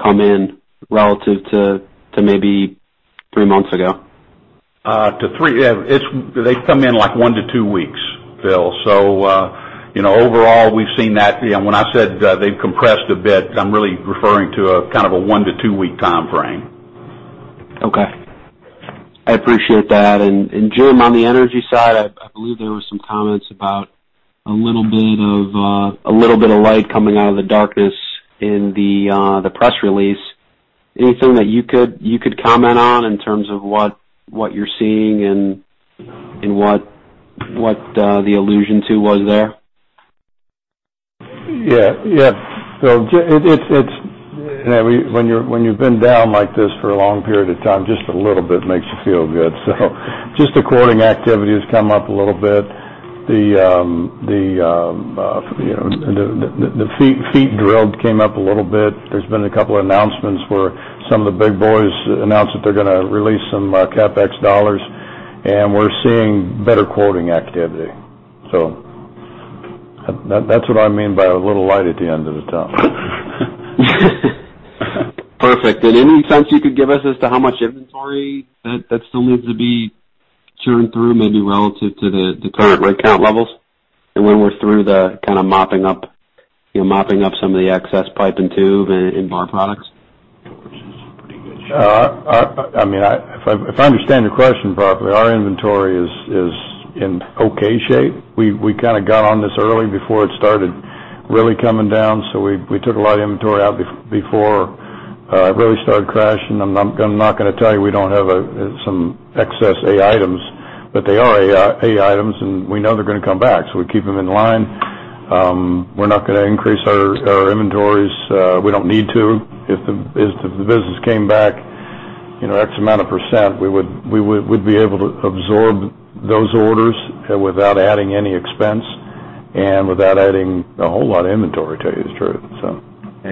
come in relative to maybe three months ago? To three, they've come in like one to two weeks, Phil. Overall, we've seen that. When I said they've compressed a bit, I'm really referring to a kind of a one to two-week timeframe. Okay. I appreciate that. Jim, on the energy side, I believe there were some comments about a little bit of light coming out of the darkness in the press release. Anything that you could comment on in terms of what you're seeing and what the allusion to was there? Yeah. Phil, when you've been down like this for a long period of time, just a little bit makes you feel good. Just the quoting activity has come up a little bit. The footage drilled came up a little bit. There's been a couple announcements where some of the big boys announced that they're gonna release some CapEx dollars, we're seeing better quoting activity. That's what I mean by a little light at the end of the tunnel. Perfect. Any sense you could give us as to how much inventory that still needs to be churned through, maybe relative to the current rig count levels? When we're through the kind of mopping up some of the excess pipe and tube and bar products? If I understand the question properly, our inventory is in okay shape. We kind of got on this early before it started really coming down. We took a lot of inventory out before it really started crashing. I'm not going to tell you we don't have some excess A items, but they are A items, and we know they're going to come back, so we keep them in line. We're not going to increase our inventories. We don't need to. If the business came back X amount of %, we'd be able to absorb those orders without adding any expense and without adding a whole lot of inventory, tell you the truth.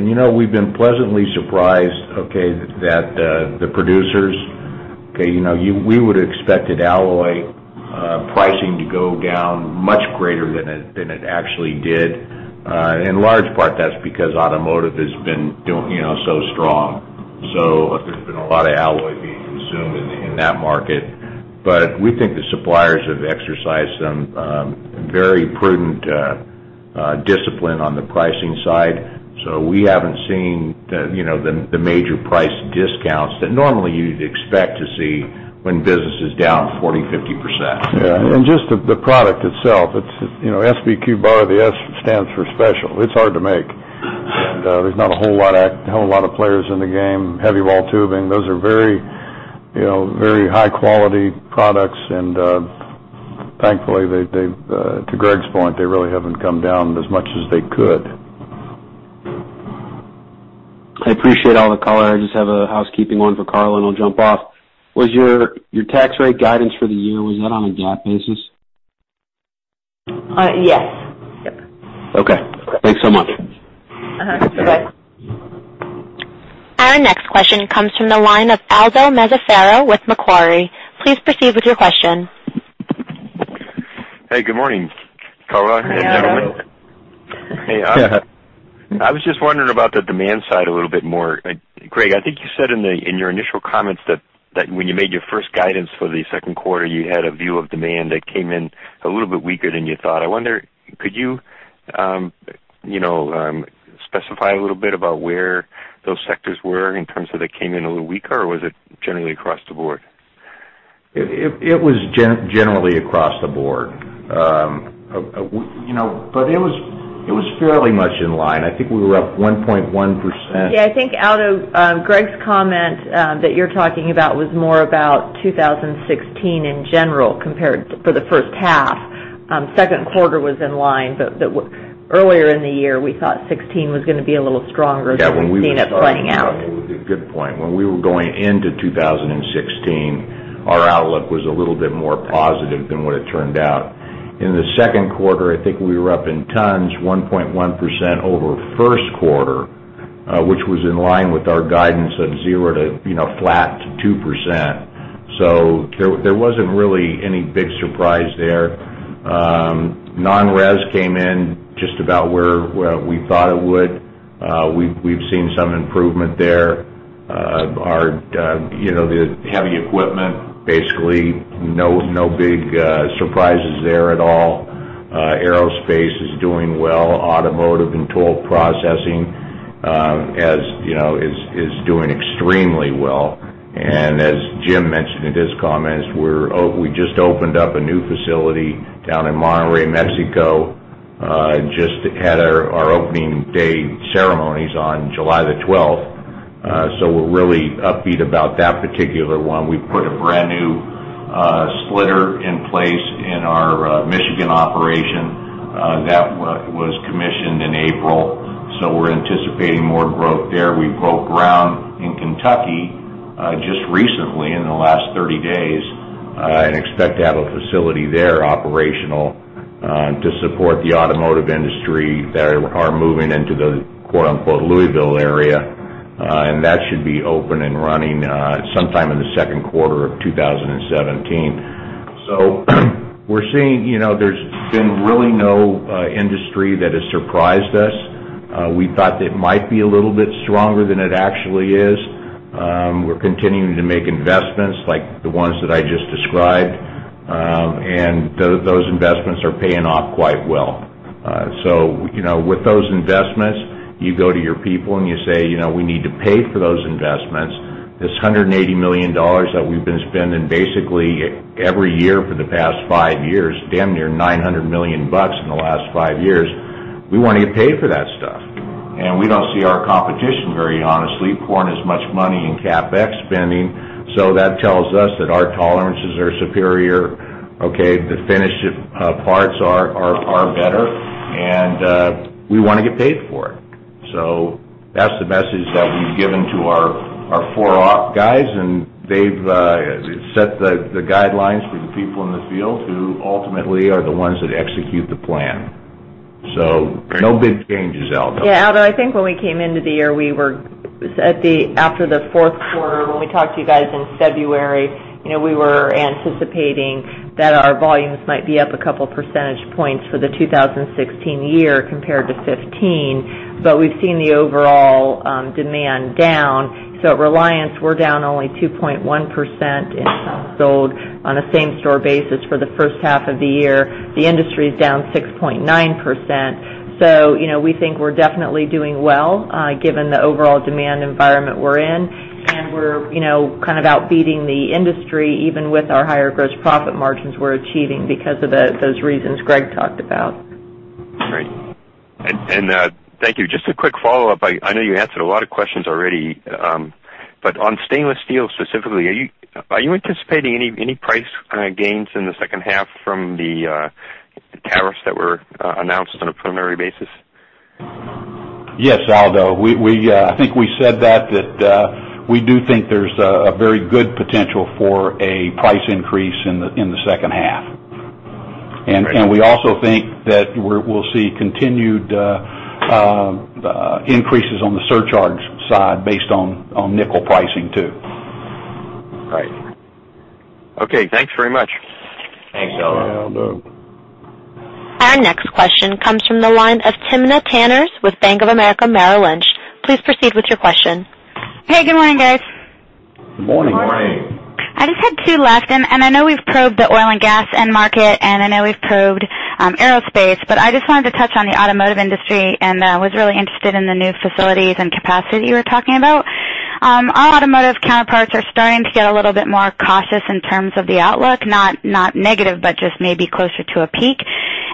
We've been pleasantly surprised, okay, that the producers, we would've expected alloy pricing to go down much greater than it actually did. In large part, that's because automotive has been doing so strong. There's been a lot of alloy being consumed in that market. We think the suppliers have exercised some very prudent discipline on the pricing side. We haven't seen the major price discounts that normally you'd expect to see when business is down 40%, 50%. Just the product itself, SBQ bar, the S stands for special. It's hard to make. There's not a whole lot of players in the game. Heavy wall tubing, those are very high-quality products. Thankfully, to Gregg's point, they really haven't come down as much as they could. I appreciate all the color. I just have a housekeeping one for Karla, and I'll jump off. Was your tax rate guidance for the year, was that on a GAAP basis? Yes. Yep. Okay. Thanks so much. You bet. Our next question comes from the line of Aldo Mazzaferro with Macquarie. Please proceed with your question. Hey, good morning. Karla and gentlemen. Hey, Aldo. Good morning. Yeah. Hey, I was just wondering about the demand side a little bit more. Gregg, I think you said in your initial comments that when you made your first guidance for the second quarter, you had a view of demand that came in a little bit weaker than you thought. I wonder, could you specify a little bit about where those sectors were in terms of they came in a little weaker, or was it generally across the board? It was generally across the board. It was fairly much in line. I think we were up 1.1%. Yeah, I think out of Gregg's comment that you're talking about was more about 2016 in general, compared for the first half. Second quarter was in line. Earlier in the year, we thought 2016 was going to be a little stronger than we've seen it playing out. Good point. When we were going into 2016, our outlook was a little bit more positive than what it turned out. In the second quarter, I think we were up in tons, 1.1% over first quarter, which was in line with our guidance of zero to flat to 2%. There wasn't really any big surprise there. Non-res came in just about where we thought it would. We've seen some improvement there. The heavy equipment, basically no big surprises there at all. Aerospace is doing well. Automotive and toll processing is doing extremely well. As Jim mentioned in his comments, we just opened up a new facility down in Monterrey, Mexico, just had our opening day ceremonies on July the 12th. We're really upbeat about that particular one. We put a brand new splitter in place in our Michigan operation. That was commissioned in April. We're anticipating more growth there. We broke ground in Kentucky just recently in the last 30 days, and expect to have a facility there operational to support the automotive industry that are moving into the quote-unquote "Louisville area." That should be open and running sometime in the second quarter of 2017. We're seeing there's been really no industry that has surprised us. We thought it might be a little bit stronger than it actually is. We're continuing to make investments like the ones that I just described, and those investments are paying off quite well. With those investments, you go to your people and you say, "We need to pay for those investments." This $180 million that we've been spending basically every year for the past five years, damn near 900 million bucks in the last five years, we want to get paid for that stuff. We don't see our competition, very honestly, pouring as much money in CapEx spending. That tells us that our tolerances are superior. Okay? The finished parts are better, and we want to get paid for it. That's the message that we've given to our four op guys, and they've set the guidelines for the people in the field who ultimately are the ones that execute the plan. No big changes, Aldo. Aldo, I think when we came into the year, after the fourth quarter, when we talked to you guys in February, we were anticipating that our volumes might be up a couple percentage points for the 2016 year compared to 2015. We've seen the overall demand down. At Reliance, we're down only 2.1% in pounds sold on a same-store basis for the first half of the year. The industry is down 6.9%. We think we're definitely doing well given the overall demand environment we're in, and we're kind of out-beating the industry, even with our higher gross profit margins we're achieving because of those reasons Gregg talked about. Great. Thank you. Just a quick follow-up. I know you answered a lot of questions already. On stainless steel specifically, are you anticipating any price gains in the second half from the tariffs that were announced on a preliminary basis? Yes, Aldo. I think we said that we do think there's a very good potential for a price increase in the second half. Great. We also think that we'll see continued increases on the surcharge side based on nickel pricing, too. Right. Okay, thanks very much. Thanks, Aldo. Yeah, Aldo. Our next question comes from the line of Timna Tanners with Bank of America Merrill Lynch. Please proceed with your question. Hey, good morning, guys. Good morning. Good morning. I just had two left. I know we've probed the oil and gas end market, and I know we've probed aerospace, but I just wanted to touch on the automotive industry and was really interested in the new facilities and capacity you were talking about. Our automotive counterparts are starting to get a little bit more cautious in terms of the outlook, not negative, but just maybe closer to a peak.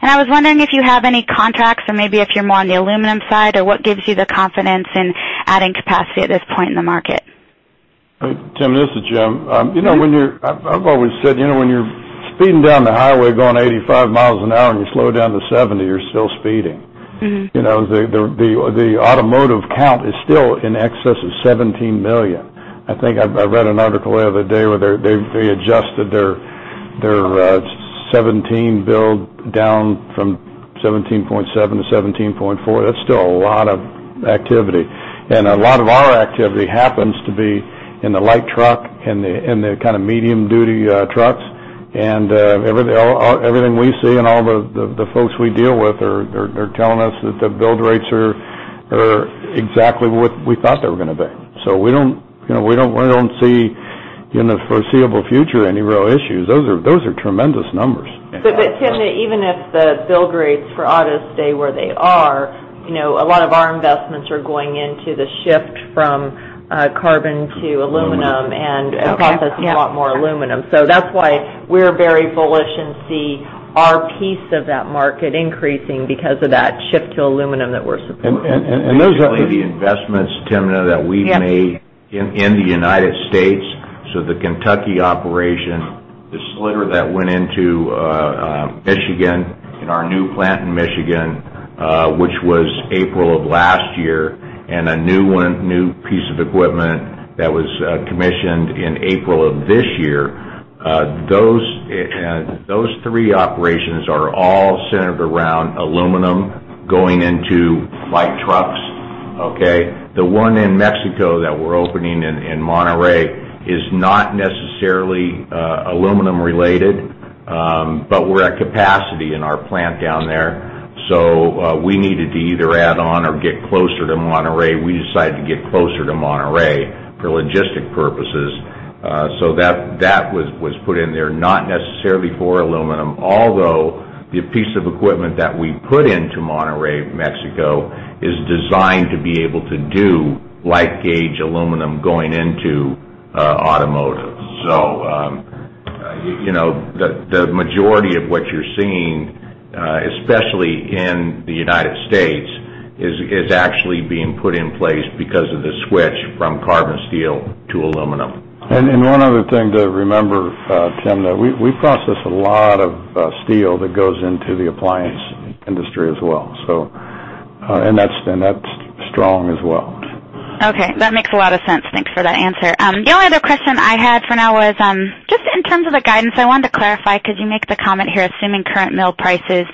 I was wondering if you have any contracts or maybe if you're more on the aluminum side, or what gives you the confidence in adding capacity at this point in the market? Timna, this is Jim. I've always said when you're speeding down the highway going 85 miles an hour and you slow down to 70, you're still speeding. The automotive count is still in excess of 17 million. I think I read an article the other day where they adjusted their 2017 build down from 17.7 to 17.4. That's still a lot of activity. A lot of our activity happens to be in the light truck and the kind of medium-duty trucks. Everything we see and all the folks we deal with are telling us that the build rates are exactly what we thought they were going to be. We don't see in the foreseeable future any real issues. Those are tremendous numbers. Timna, even if the build rates for autos stay where they are, a lot of our investments are going into the shift from carbon to aluminum. Aluminum. Okay, yeah Processing a lot more aluminum. That's why we're very bullish and see our piece of that market increasing because of that shift to aluminum that we're supporting. And those are- Basically the investments, Timna, that we've made in the U.S. The Kentucky operation, the splitter that went into Michigan, and our new plant in Michigan, which was April of last year, and a new piece of equipment that was commissioned in April of this year, those three operations are all centered around aluminum going into light trucks. The one in Mexico that we're opening in Monterrey is not necessarily aluminum related, but we're at capacity in our plant down there. We needed to either add on or get closer to Monterrey. We decided to get closer to Monterrey for logistic purposes. That was put in there not necessarily for aluminum. Although the piece of equipment that we put into Monterrey, Mexico, is designed to be able to do light gauge aluminum going into automotive. The majority of what you're seeing, especially in the U.S., is actually being put in place because of the switch from carbon steel to aluminum. One other thing to remember, Timna, that we process a lot of steel that goes into the appliance industry as well. That's strong as well. Okay. That makes a lot of sense. Thanks for that answer. The only other question I had for now was just in terms of the guidance, I wanted to clarify because you make the comment here, assuming current mill prices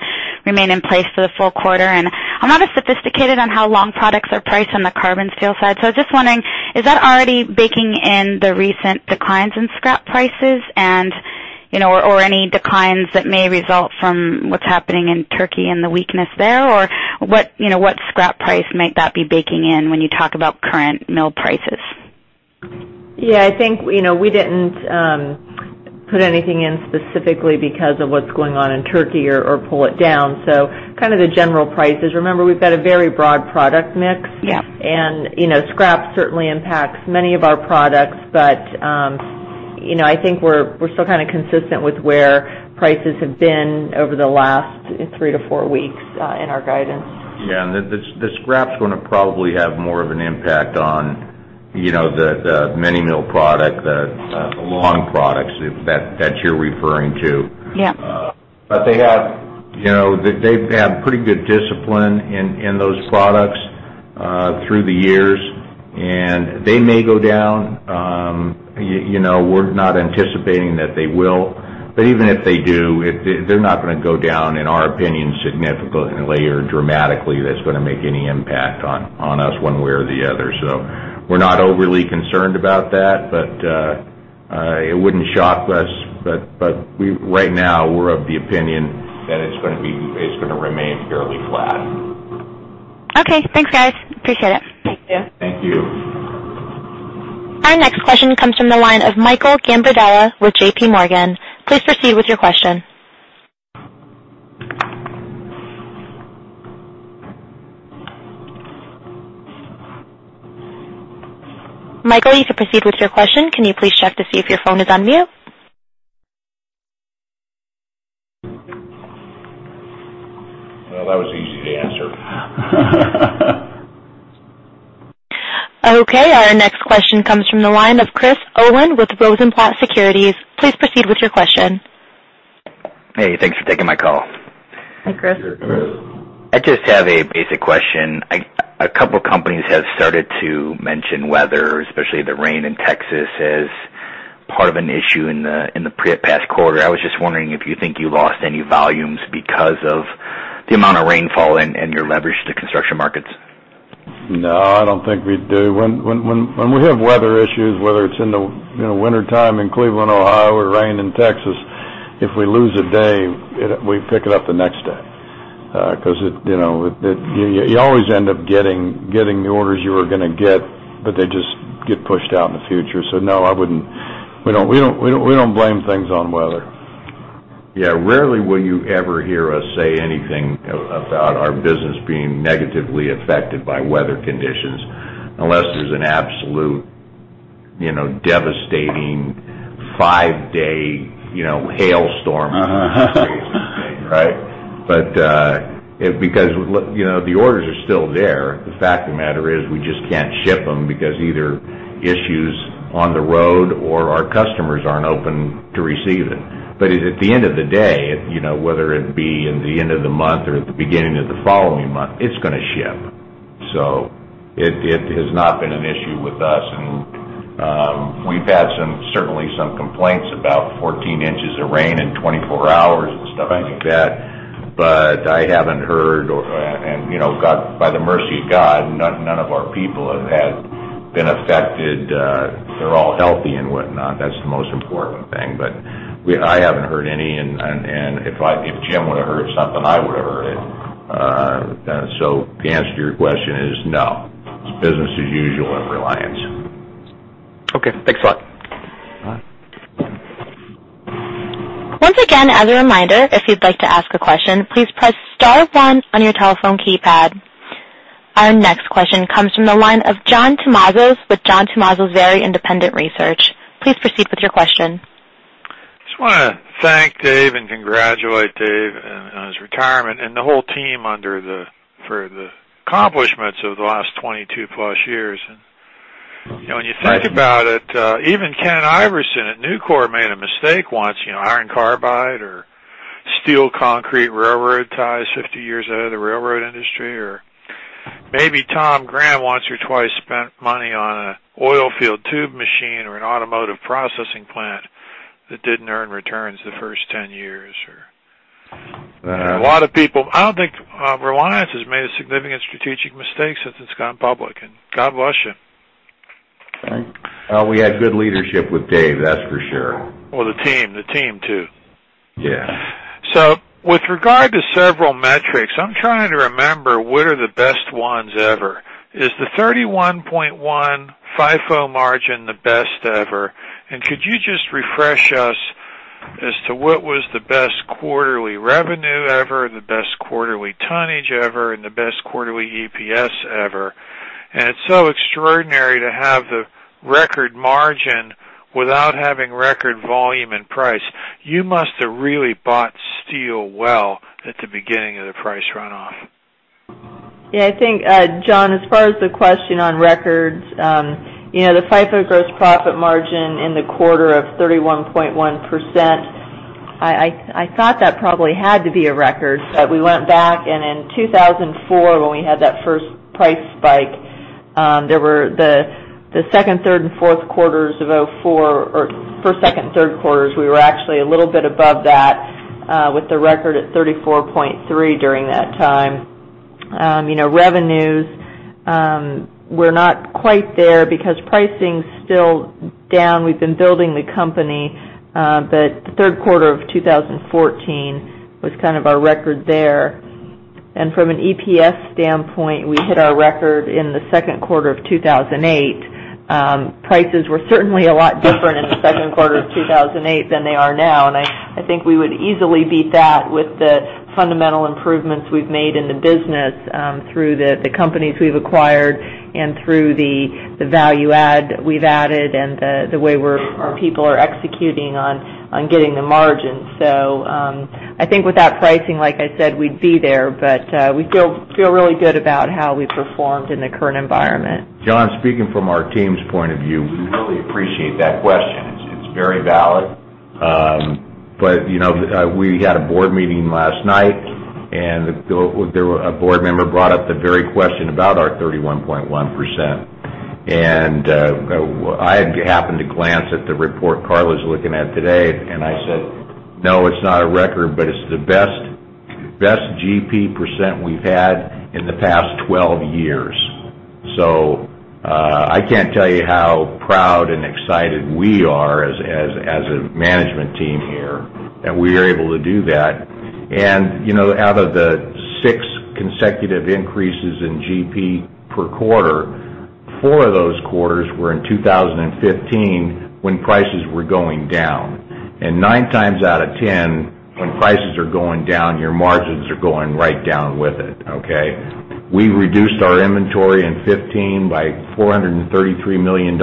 remain in place for the full quarter. I'm not as sophisticated on how long products are priced on the carbon steel side. I was just wondering, is that already baking in the recent declines in scrap prices and, or any declines that may result from what's happening in Turkey and the weakness there? What scrap price might that be baking in when you talk about current mill prices? Yeah, I think we didn't put anything in specifically because of what's going on in Turkey or pull it down. Kind of the general prices. Remember, we've got a very broad product mix. Yeah. Scrap certainly impacts many of our products. I think we're still kind of consistent with where prices have been over the last three to four weeks in our guidance. Yeah, the scrap's going to probably have more of an impact on the mini mill product, the long products that you're referring to. Yeah. They've had pretty good discipline in those products through the years, and they may go down. We're not anticipating that they will. Even if they do, they're not going to go down, in our opinion, significantly or dramatically that's going to make any impact on us one way or the other. We're not overly concerned about that, but it wouldn't shock us. Right now, we're of the opinion that it's going to remain fairly flat. Okay, thanks, guys. Appreciate it. Thank you. Thank you. Our next question comes from the line of Michael Gambardella with JP Morgan. Please proceed with your question. Michael, you can proceed with your question. Can you please check to see if your phone is on mute? Well, that was easy to answer. Okay. Our next question comes from the line of Chris Owen with Rosenblatt Securities. Please proceed with your question. Hey, thanks for taking my call. Hi, Chris. Chris. I just have a basic question. A couple of companies have started to mention weather, especially the rain in Texas, as part of an issue in the past quarter. I was just wondering if you think you lost any volumes because of the amount of rainfall and your leverage to construction markets. No, I don't think we do. When we have weather issues, whether it's in the wintertime in Cleveland, Ohio, or rain in Texas, if we lose a day, we pick it up the next day. You always end up getting the orders you were going to get, but they just get pushed out in the future. No, we don't blame things on weather. Yeah. Rarely will you ever hear us say anything about our business being negatively affected by weather conditions unless there's an absolute devastating five-day hailstorm. Right? The orders are still there. The fact of the matter is we just can't ship them because either issues on the road or our customers aren't open to receive it. At the end of the day, whether it be in the end of the month or at the beginning of the following month, it's going to ship. It has not been an issue with us. We've had certainly some complaints about 14 inches of rain in 24 hours and stuff like that. I haven't heard, and by the mercy of God, none of our people have been affected. They're all healthy and whatnot. That's the most important thing. I haven't heard any, and if Jim would've heard something, I would have heard it. The answer to your question is no. It's business as usual at Reliance. Okay. Thanks a lot. Bye. Once again, as a reminder, if you'd like to ask a question, please press *1 on your telephone keypad. Our next question comes from the line of John Tumazos with John Tumazos Very Independent Research. Please proceed with your question. Just want to thank Dave and congratulate Dave on his retirement and the whole team for the accomplishments of the last 22-plus years. Thank you. When you think about it, even Ken Iverson at Nucor made a mistake once, iron carbide or steel, concrete railroad ties 50 years out of the railroad industry, or maybe Tom Girdler once or twice spent money on an oil field tube machine or an automotive processing plant that didn't earn returns the first 10 years. I don't think Reliance has made a significant strategic mistake since it's gone public, and God bless you. Thanks. We had good leadership with Dave, that's for sure. The team too. Yeah. With regard to several metrics, I'm trying to remember what are the best ones ever. Is the 31.1 FIFO margin the best ever? Could you just refresh us as to what was the best quarterly revenue ever, the best quarterly tonnage ever, and the best quarterly EPS ever? It's so extraordinary to have the record margin without having record volume and price. You must have really bought steel well at the beginning of the price runoff. I think, John, as far as the question on records, the FIFO gross profit margin in the quarter of 31.1%, I thought that probably had to be a record. We went back and in 2004, when we had that first price spike, the second, third, and fourth quarters of 2004, or first, second, and third quarters, we were actually a little bit above that, with the record at 34.3 during that time. Revenues were not quite there because pricing's still down. We've been building the company. The third quarter of 2014 was kind of our record there. From an EPS standpoint, we hit our record in the second quarter of 2008. Prices were certainly a lot different in the second quarter of 2008 than they are now, and I think we would easily beat that with the fundamental improvements we've made in the business through the companies we've acquired and through the value add that we've added and the way our people are executing on getting the margin. I think without pricing, like I said, we'd be there. We feel really good about how we performed in the current environment. John, speaking from our team's point of view, we really appreciate that question. It's very valid. We had a board meeting last night, and a board member brought up the very question about our 31.1%. I happened to glance at the report Karla's looking at today, and I said, "No, it's not a record, but it's the best GP % we've had in the past 12 years." I can't tell you how proud and excited we are as a management team here that we are able to do that. Out of the 6 consecutive increases in GP per quarter, 4 of those quarters were in 2015 when prices were going down. 9 times out of 10, when prices are going down, your margins are going right down with it, okay? We reduced our inventory in 2015 by $433 million,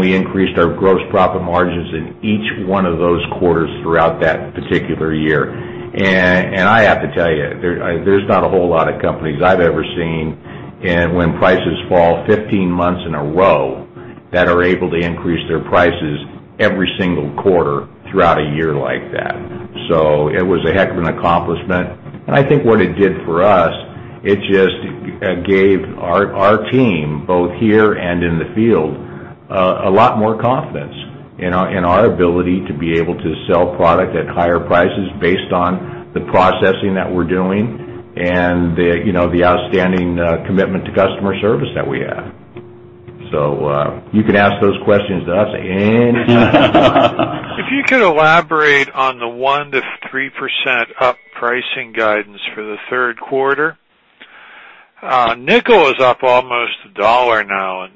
we increased our gross profit margins in each one of those quarters throughout that particular year. I have to tell you, there's not a whole lot of companies I've ever seen when prices fall 15 months in a row that are able to increase their prices every single quarter throughout a year like that. It was a heck of an accomplishment. I think what it did for us, it just gave our team, both here and in the field, a lot more confidence in our ability to be able to sell product at higher prices based on the processing that we're doing and the outstanding commitment to customer service that we have. You can ask those questions to us anytime. If you could elaborate on the 1% to 3% up pricing guidance for the third quarter. Nickel is up almost $1 now,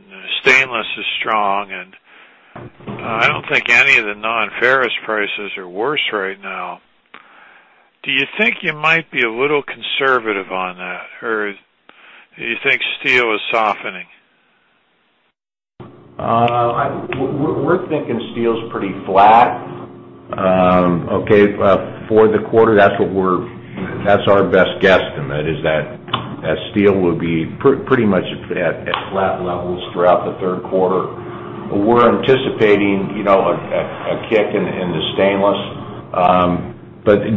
stainless is strong, I don't think any of the non-ferrous prices are worse right now. Do you think you might be a little conservative on that, or do you think steel is softening? We're thinking steel's pretty flat, okay, for the quarter. That's our best guesstimate is that steel would be pretty much at flat levels throughout the third quarter. We're anticipating a kick in the stainless.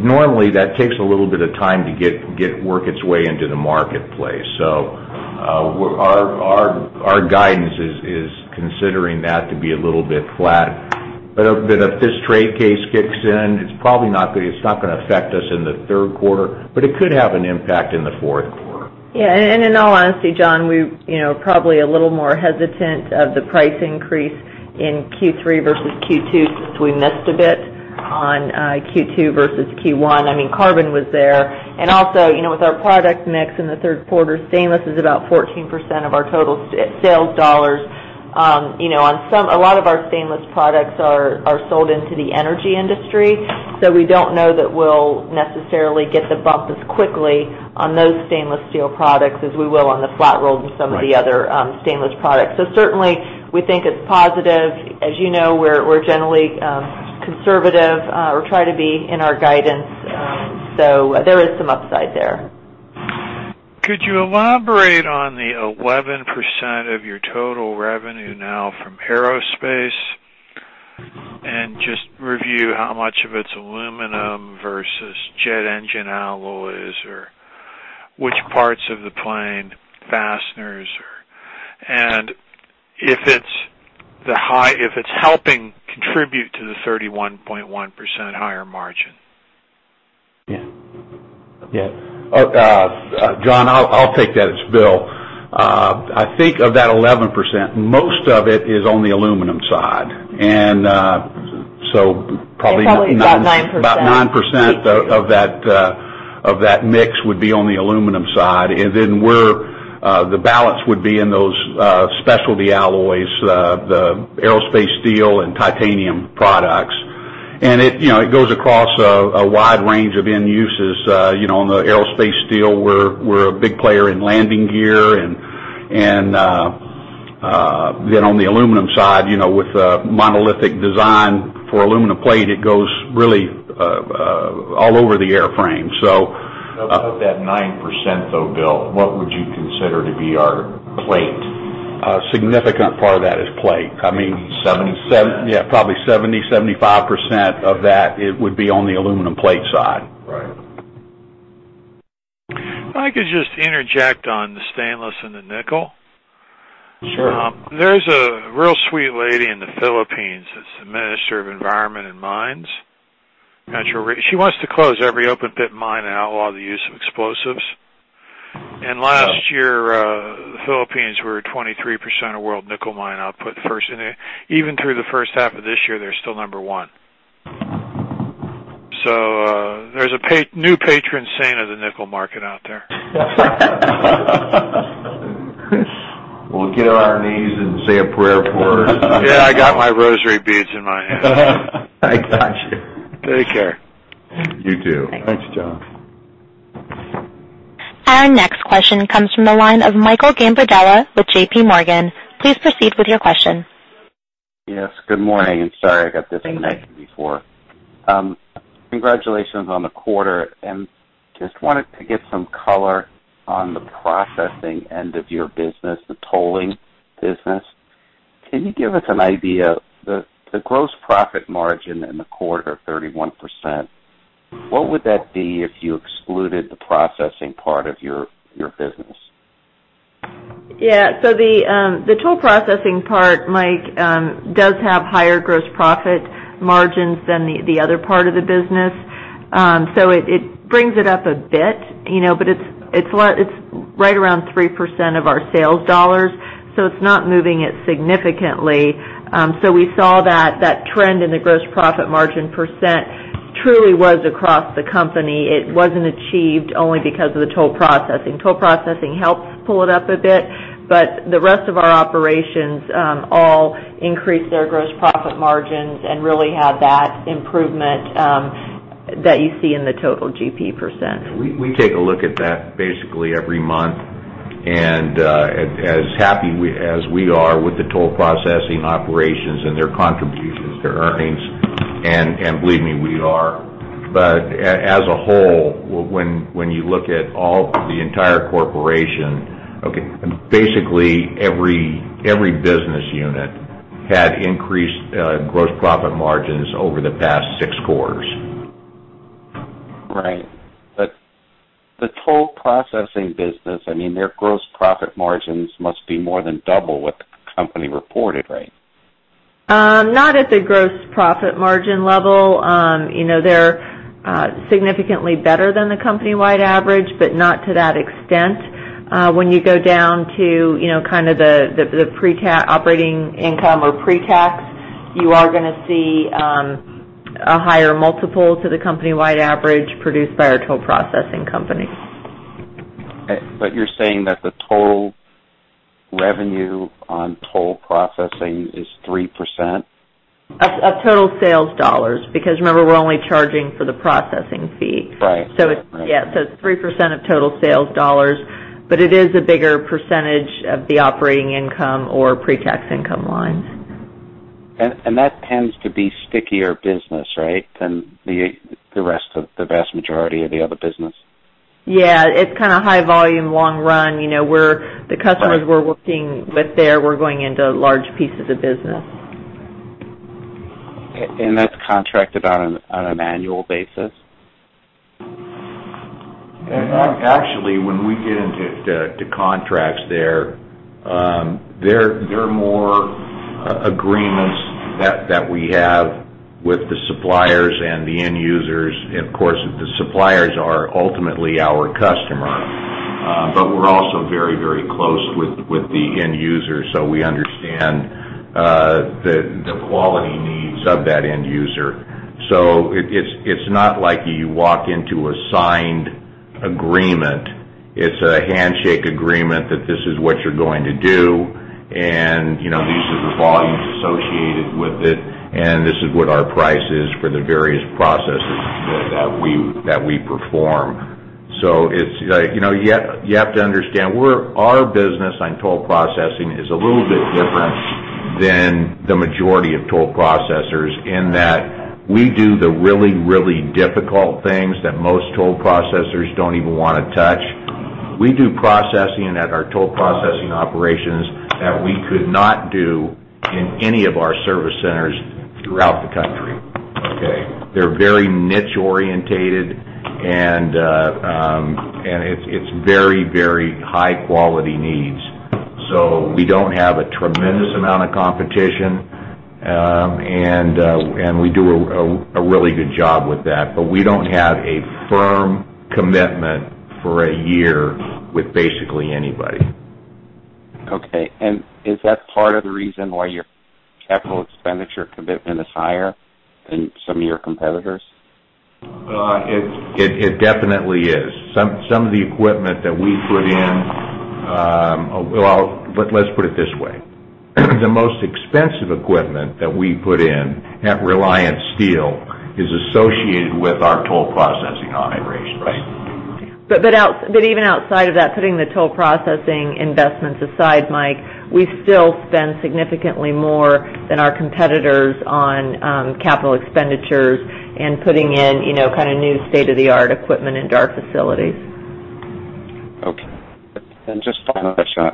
Normally, that takes a little bit of time to work its way into the marketplace. Our guidance is considering that to be a little bit flat. If this trade case kicks in, it's not going to affect us in the third quarter, but it could have an impact in the fourth quarter. In all honesty, John, we're probably a little more hesitant of the price increase in Q3 versus Q2 since we missed a bit on Q2 versus Q1. Carbon was there. Also, with our product mix in the third quarter, stainless is about 14% of our total sales dollars. A lot of our stainless products are sold into the energy industry. We don't know that we'll necessarily get the bump as quickly on those stainless steel products as we will on the flat roll and some of the other stainless products. Certainly, we think it's positive. As you know, we're generally conservative, or try to be, in our guidance. There is some upside there. Could you elaborate on the 11% of your total revenue now from aerospace, and just review how much of it's aluminum versus jet engine alloys, or which parts of the plane fasteners. If it's helping contribute to the 31.1% higher margin. Yeah. John, I'll take that. It's Bill. I think of that 11%, most of it is on the aluminum side. It's probably about 9%. About 9% of that mix would be on the aluminum side. The balance would be in those specialty alloys, the aerospace steel and titanium products. It goes across a wide range of end uses. On the aerospace steel, we're a big player in landing gear, then on the aluminum side, with monolithic design for aluminum plate, it goes really all over the airframe. Of that 9%, though, Bill, what would you consider to be our plate? A significant part of that is plate. 70%. Yeah, probably 70%, 75% of that would be on the aluminum plate side. Right. If I could just interject on the stainless and the nickel. Sure. There's a real sweet lady in the Philippines that's the Minister of Environment and Mines. She wants to close every open-pit mine and outlaw the use of explosives. Last year, the Philippines were at 23% of world nickel mine output. Even through the first half of this year, they're still number 1. There's a new patron saint of the nickel market out there. We'll get on our knees and say a prayer for her. Yeah, I got my rosary beads in my hand. I got you. Take care. You too. Thanks, John. Our next question comes from the line of Michael Gambardella with JP Morgan. Please proceed with your question. Yes, good morning. Sorry, I got disconnected before. Congratulations on the quarter. Just wanted to get some color on the processing end of your business, the tolling business. Can you give us an idea, the gross profit margin in the quarter, 31%, what would that be if you excluded the processing part of your business? Yeah. The toll processing part, Mike, does have higher gross profit margins than the other part of the business. It brings it up a bit, but it's right around 3% of our sales dollars, so it's not moving it significantly. We saw that that trend in the gross profit margin % truly was across the company. It wasn't achieved only because of the toll processing. Toll processing helps pull it up a bit, but the rest of our operations all increase their gross profit margins and really have that improvement that you see in the total GP %. We take a look at that basically every month, as happy as we are with the toll processing operations and their contributions, their earnings, and believe me, we are. As a whole, when you look at all the entire corporation, basically every business unit had increased gross profit margins over the past six quarters. Right. The toll processing business, their gross profit margins must be more than double what the company reported, right? Not at the gross profit margin level. They're significantly better than the company-wide average, but not to that extent. When you go down to kind of the operating income or pre-tax, you are going to see a higher multiple to the company-wide average produced by our toll processing company. You're saying that the toll revenue on toll processing is 3%? Of total sales dollars, because remember, we're only charging for the processing fee. Right. Yeah. It's 3% of total sales dollars, but it is a bigger percentage of the operating income or pre-tax income lines. That tends to be stickier business, right, than the vast majority of the other business? Yeah, it's kind of high volume, long run. The customers we're working with there, we're going into large pieces of business. That's contracted on an annual basis? Actually, when we get into contracts, they're more agreements that we have with the suppliers and the end users. Of course, the suppliers are ultimately our customer. We're also very close with the end user, so we understand the quality needs of that end user. It's not like you walk into a signed agreement. It's a handshake agreement that this is what you're going to do, and these are the volumes associated with it, and this is what our price is for the various processes that we perform. You have to understand, our business on toll processing is a little bit different than the majority of toll processors in that we do the really difficult things that most toll processors don't even want to touch. We do processing at our toll processing operations that we could not do in any of our service centers throughout the country. Okay? They're very niche-orientated and it's very high-quality needs. We don't have a tremendous amount of competition, and we do a really good job with that, we don't have a firm commitment for a year with basically anybody. Okay. Is that part of the reason why your capital expenditure commitment is higher than some of your competitors? It definitely is. Some of the equipment that we put in. Well, let's put it this way. The most expensive equipment that we put in at Reliance Steel is associated with our toll processing operations. Right. Even outside of that, putting the toll processing investments aside, Mike, we still spend significantly more than our competitors on capital expenditures and putting in kind of new state-of-the-art equipment into our facilities. Okay. Just final question.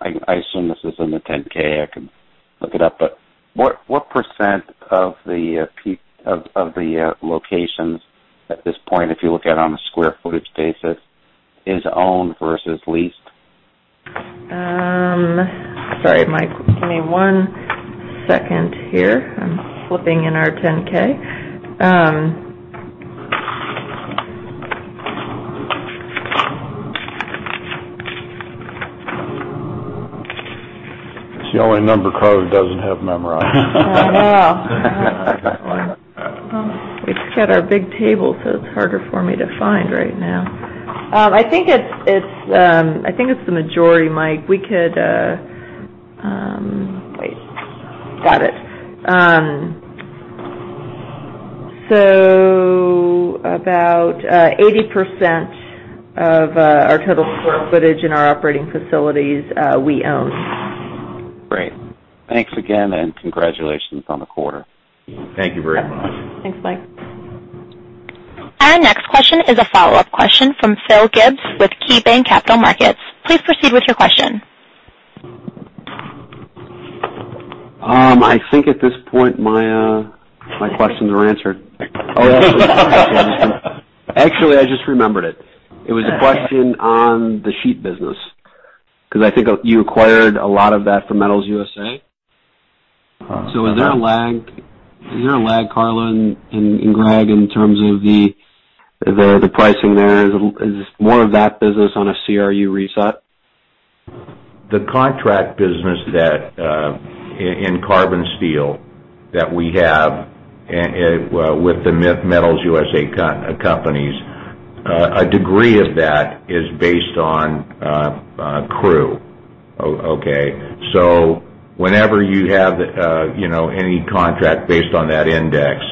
I assume this is in the 10-K, I can look it up, but what % of the locations at this point, if you look at it on a square footage basis, is owned versus leased? Sorry, Mike, give me one second here. I'm flipping in our 10-K. It's the only number Karla doesn't have memorized. Well. We just got our big table, so it's harder for me to find right now. I think it's the majority, Mike. We could Wait. Got it. About 80% of our total square footage in our operating facilities, we own. Great. Thanks again, and congratulations on the quarter. Thank you very much. Thanks, Mike. Our next question is a follow-up question from Philip Gibbs with KeyBanc Capital Markets. Please proceed with your question. I think at this point, my questions are answered. Actually, I just remembered it. It was a question on the sheet business, because I think you acquired a lot of that from Metals USA. Is there a lag, Karla and Gregg, in terms of the pricing there? Is more of that business on a CRU reset? The contract business in carbon steel that we have with the Metals USA companies, a degree of that is based on CRU. Okay? Whenever you have any contract based on that index,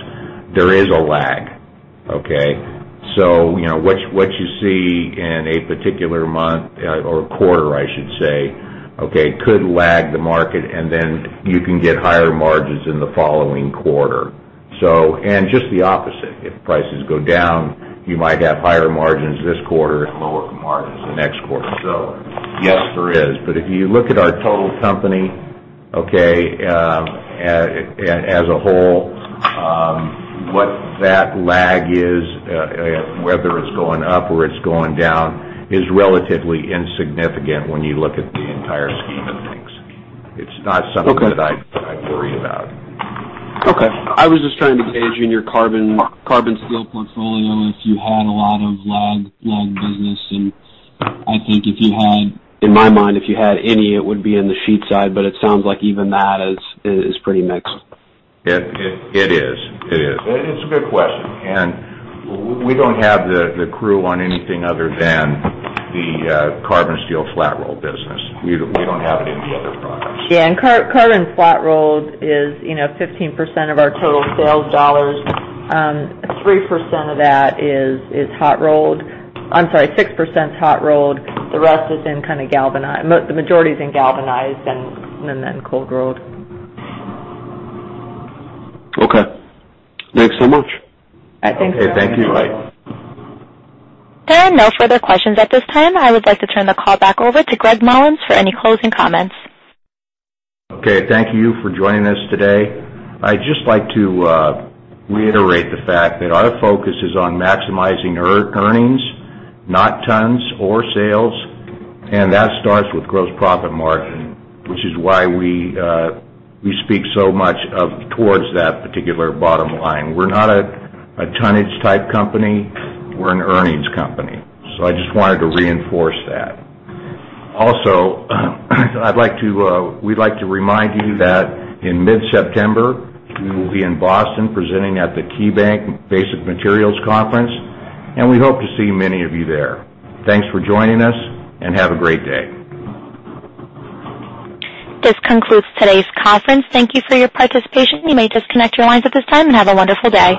there is a lag. Okay? What you see in a particular month, or quarter, I should say, okay, could lag the market, and then you can get higher margins in the following quarter. Just the opposite. If prices go down, you might have higher margins this quarter and lower margins the next quarter. Yes, there is. If you look at our total company, okay, as a whole, what that lag is, whether it's going up or it's going down, is relatively insignificant when you look at the entire scheme of things. It's not something that I'd worry about. Okay. I was just trying to gauge in your carbon steel portfolio if you had a lot of lag business, I think if you had, in my mind, if you had any, it would be in the sheet side, but it sounds like even that is pretty mixed. It is. It's a good question. We don't have the CRU on anything other than the carbon steel flat roll business. We don't have it in the other products. Yeah, Carbon flat rolled is 15% of our total sales dollars. 3% of that is hot rolled. I'm sorry, 6% is hot rolled, the rest is in kind of galvanized. The majority is in galvanized and then cold rolled. Okay. Thanks so much. Thanks. Okay. Thank you, Mike. There are no further questions at this time. I would like to turn the call back over to Gregg Mollins for any closing comments. Okay. Thank you for joining us today. I'd just like to reiterate the fact that our focus is on maximizing earnings, not tons or sales, and that starts with gross profit margin, which is why we speak so much of towards that particular bottom line. We're not a tonnage-type company; we're an earnings company. I just wanted to reinforce that. Also, we'd like to remind you that in mid-September, we will be in Boston presenting at the KeyBanc Basic Materials Conference, and we hope to see many of you there. Thanks for joining us, and have a great day. This concludes today's conference. Thank you for your participation. You may disconnect your lines at this time, and have a wonderful day.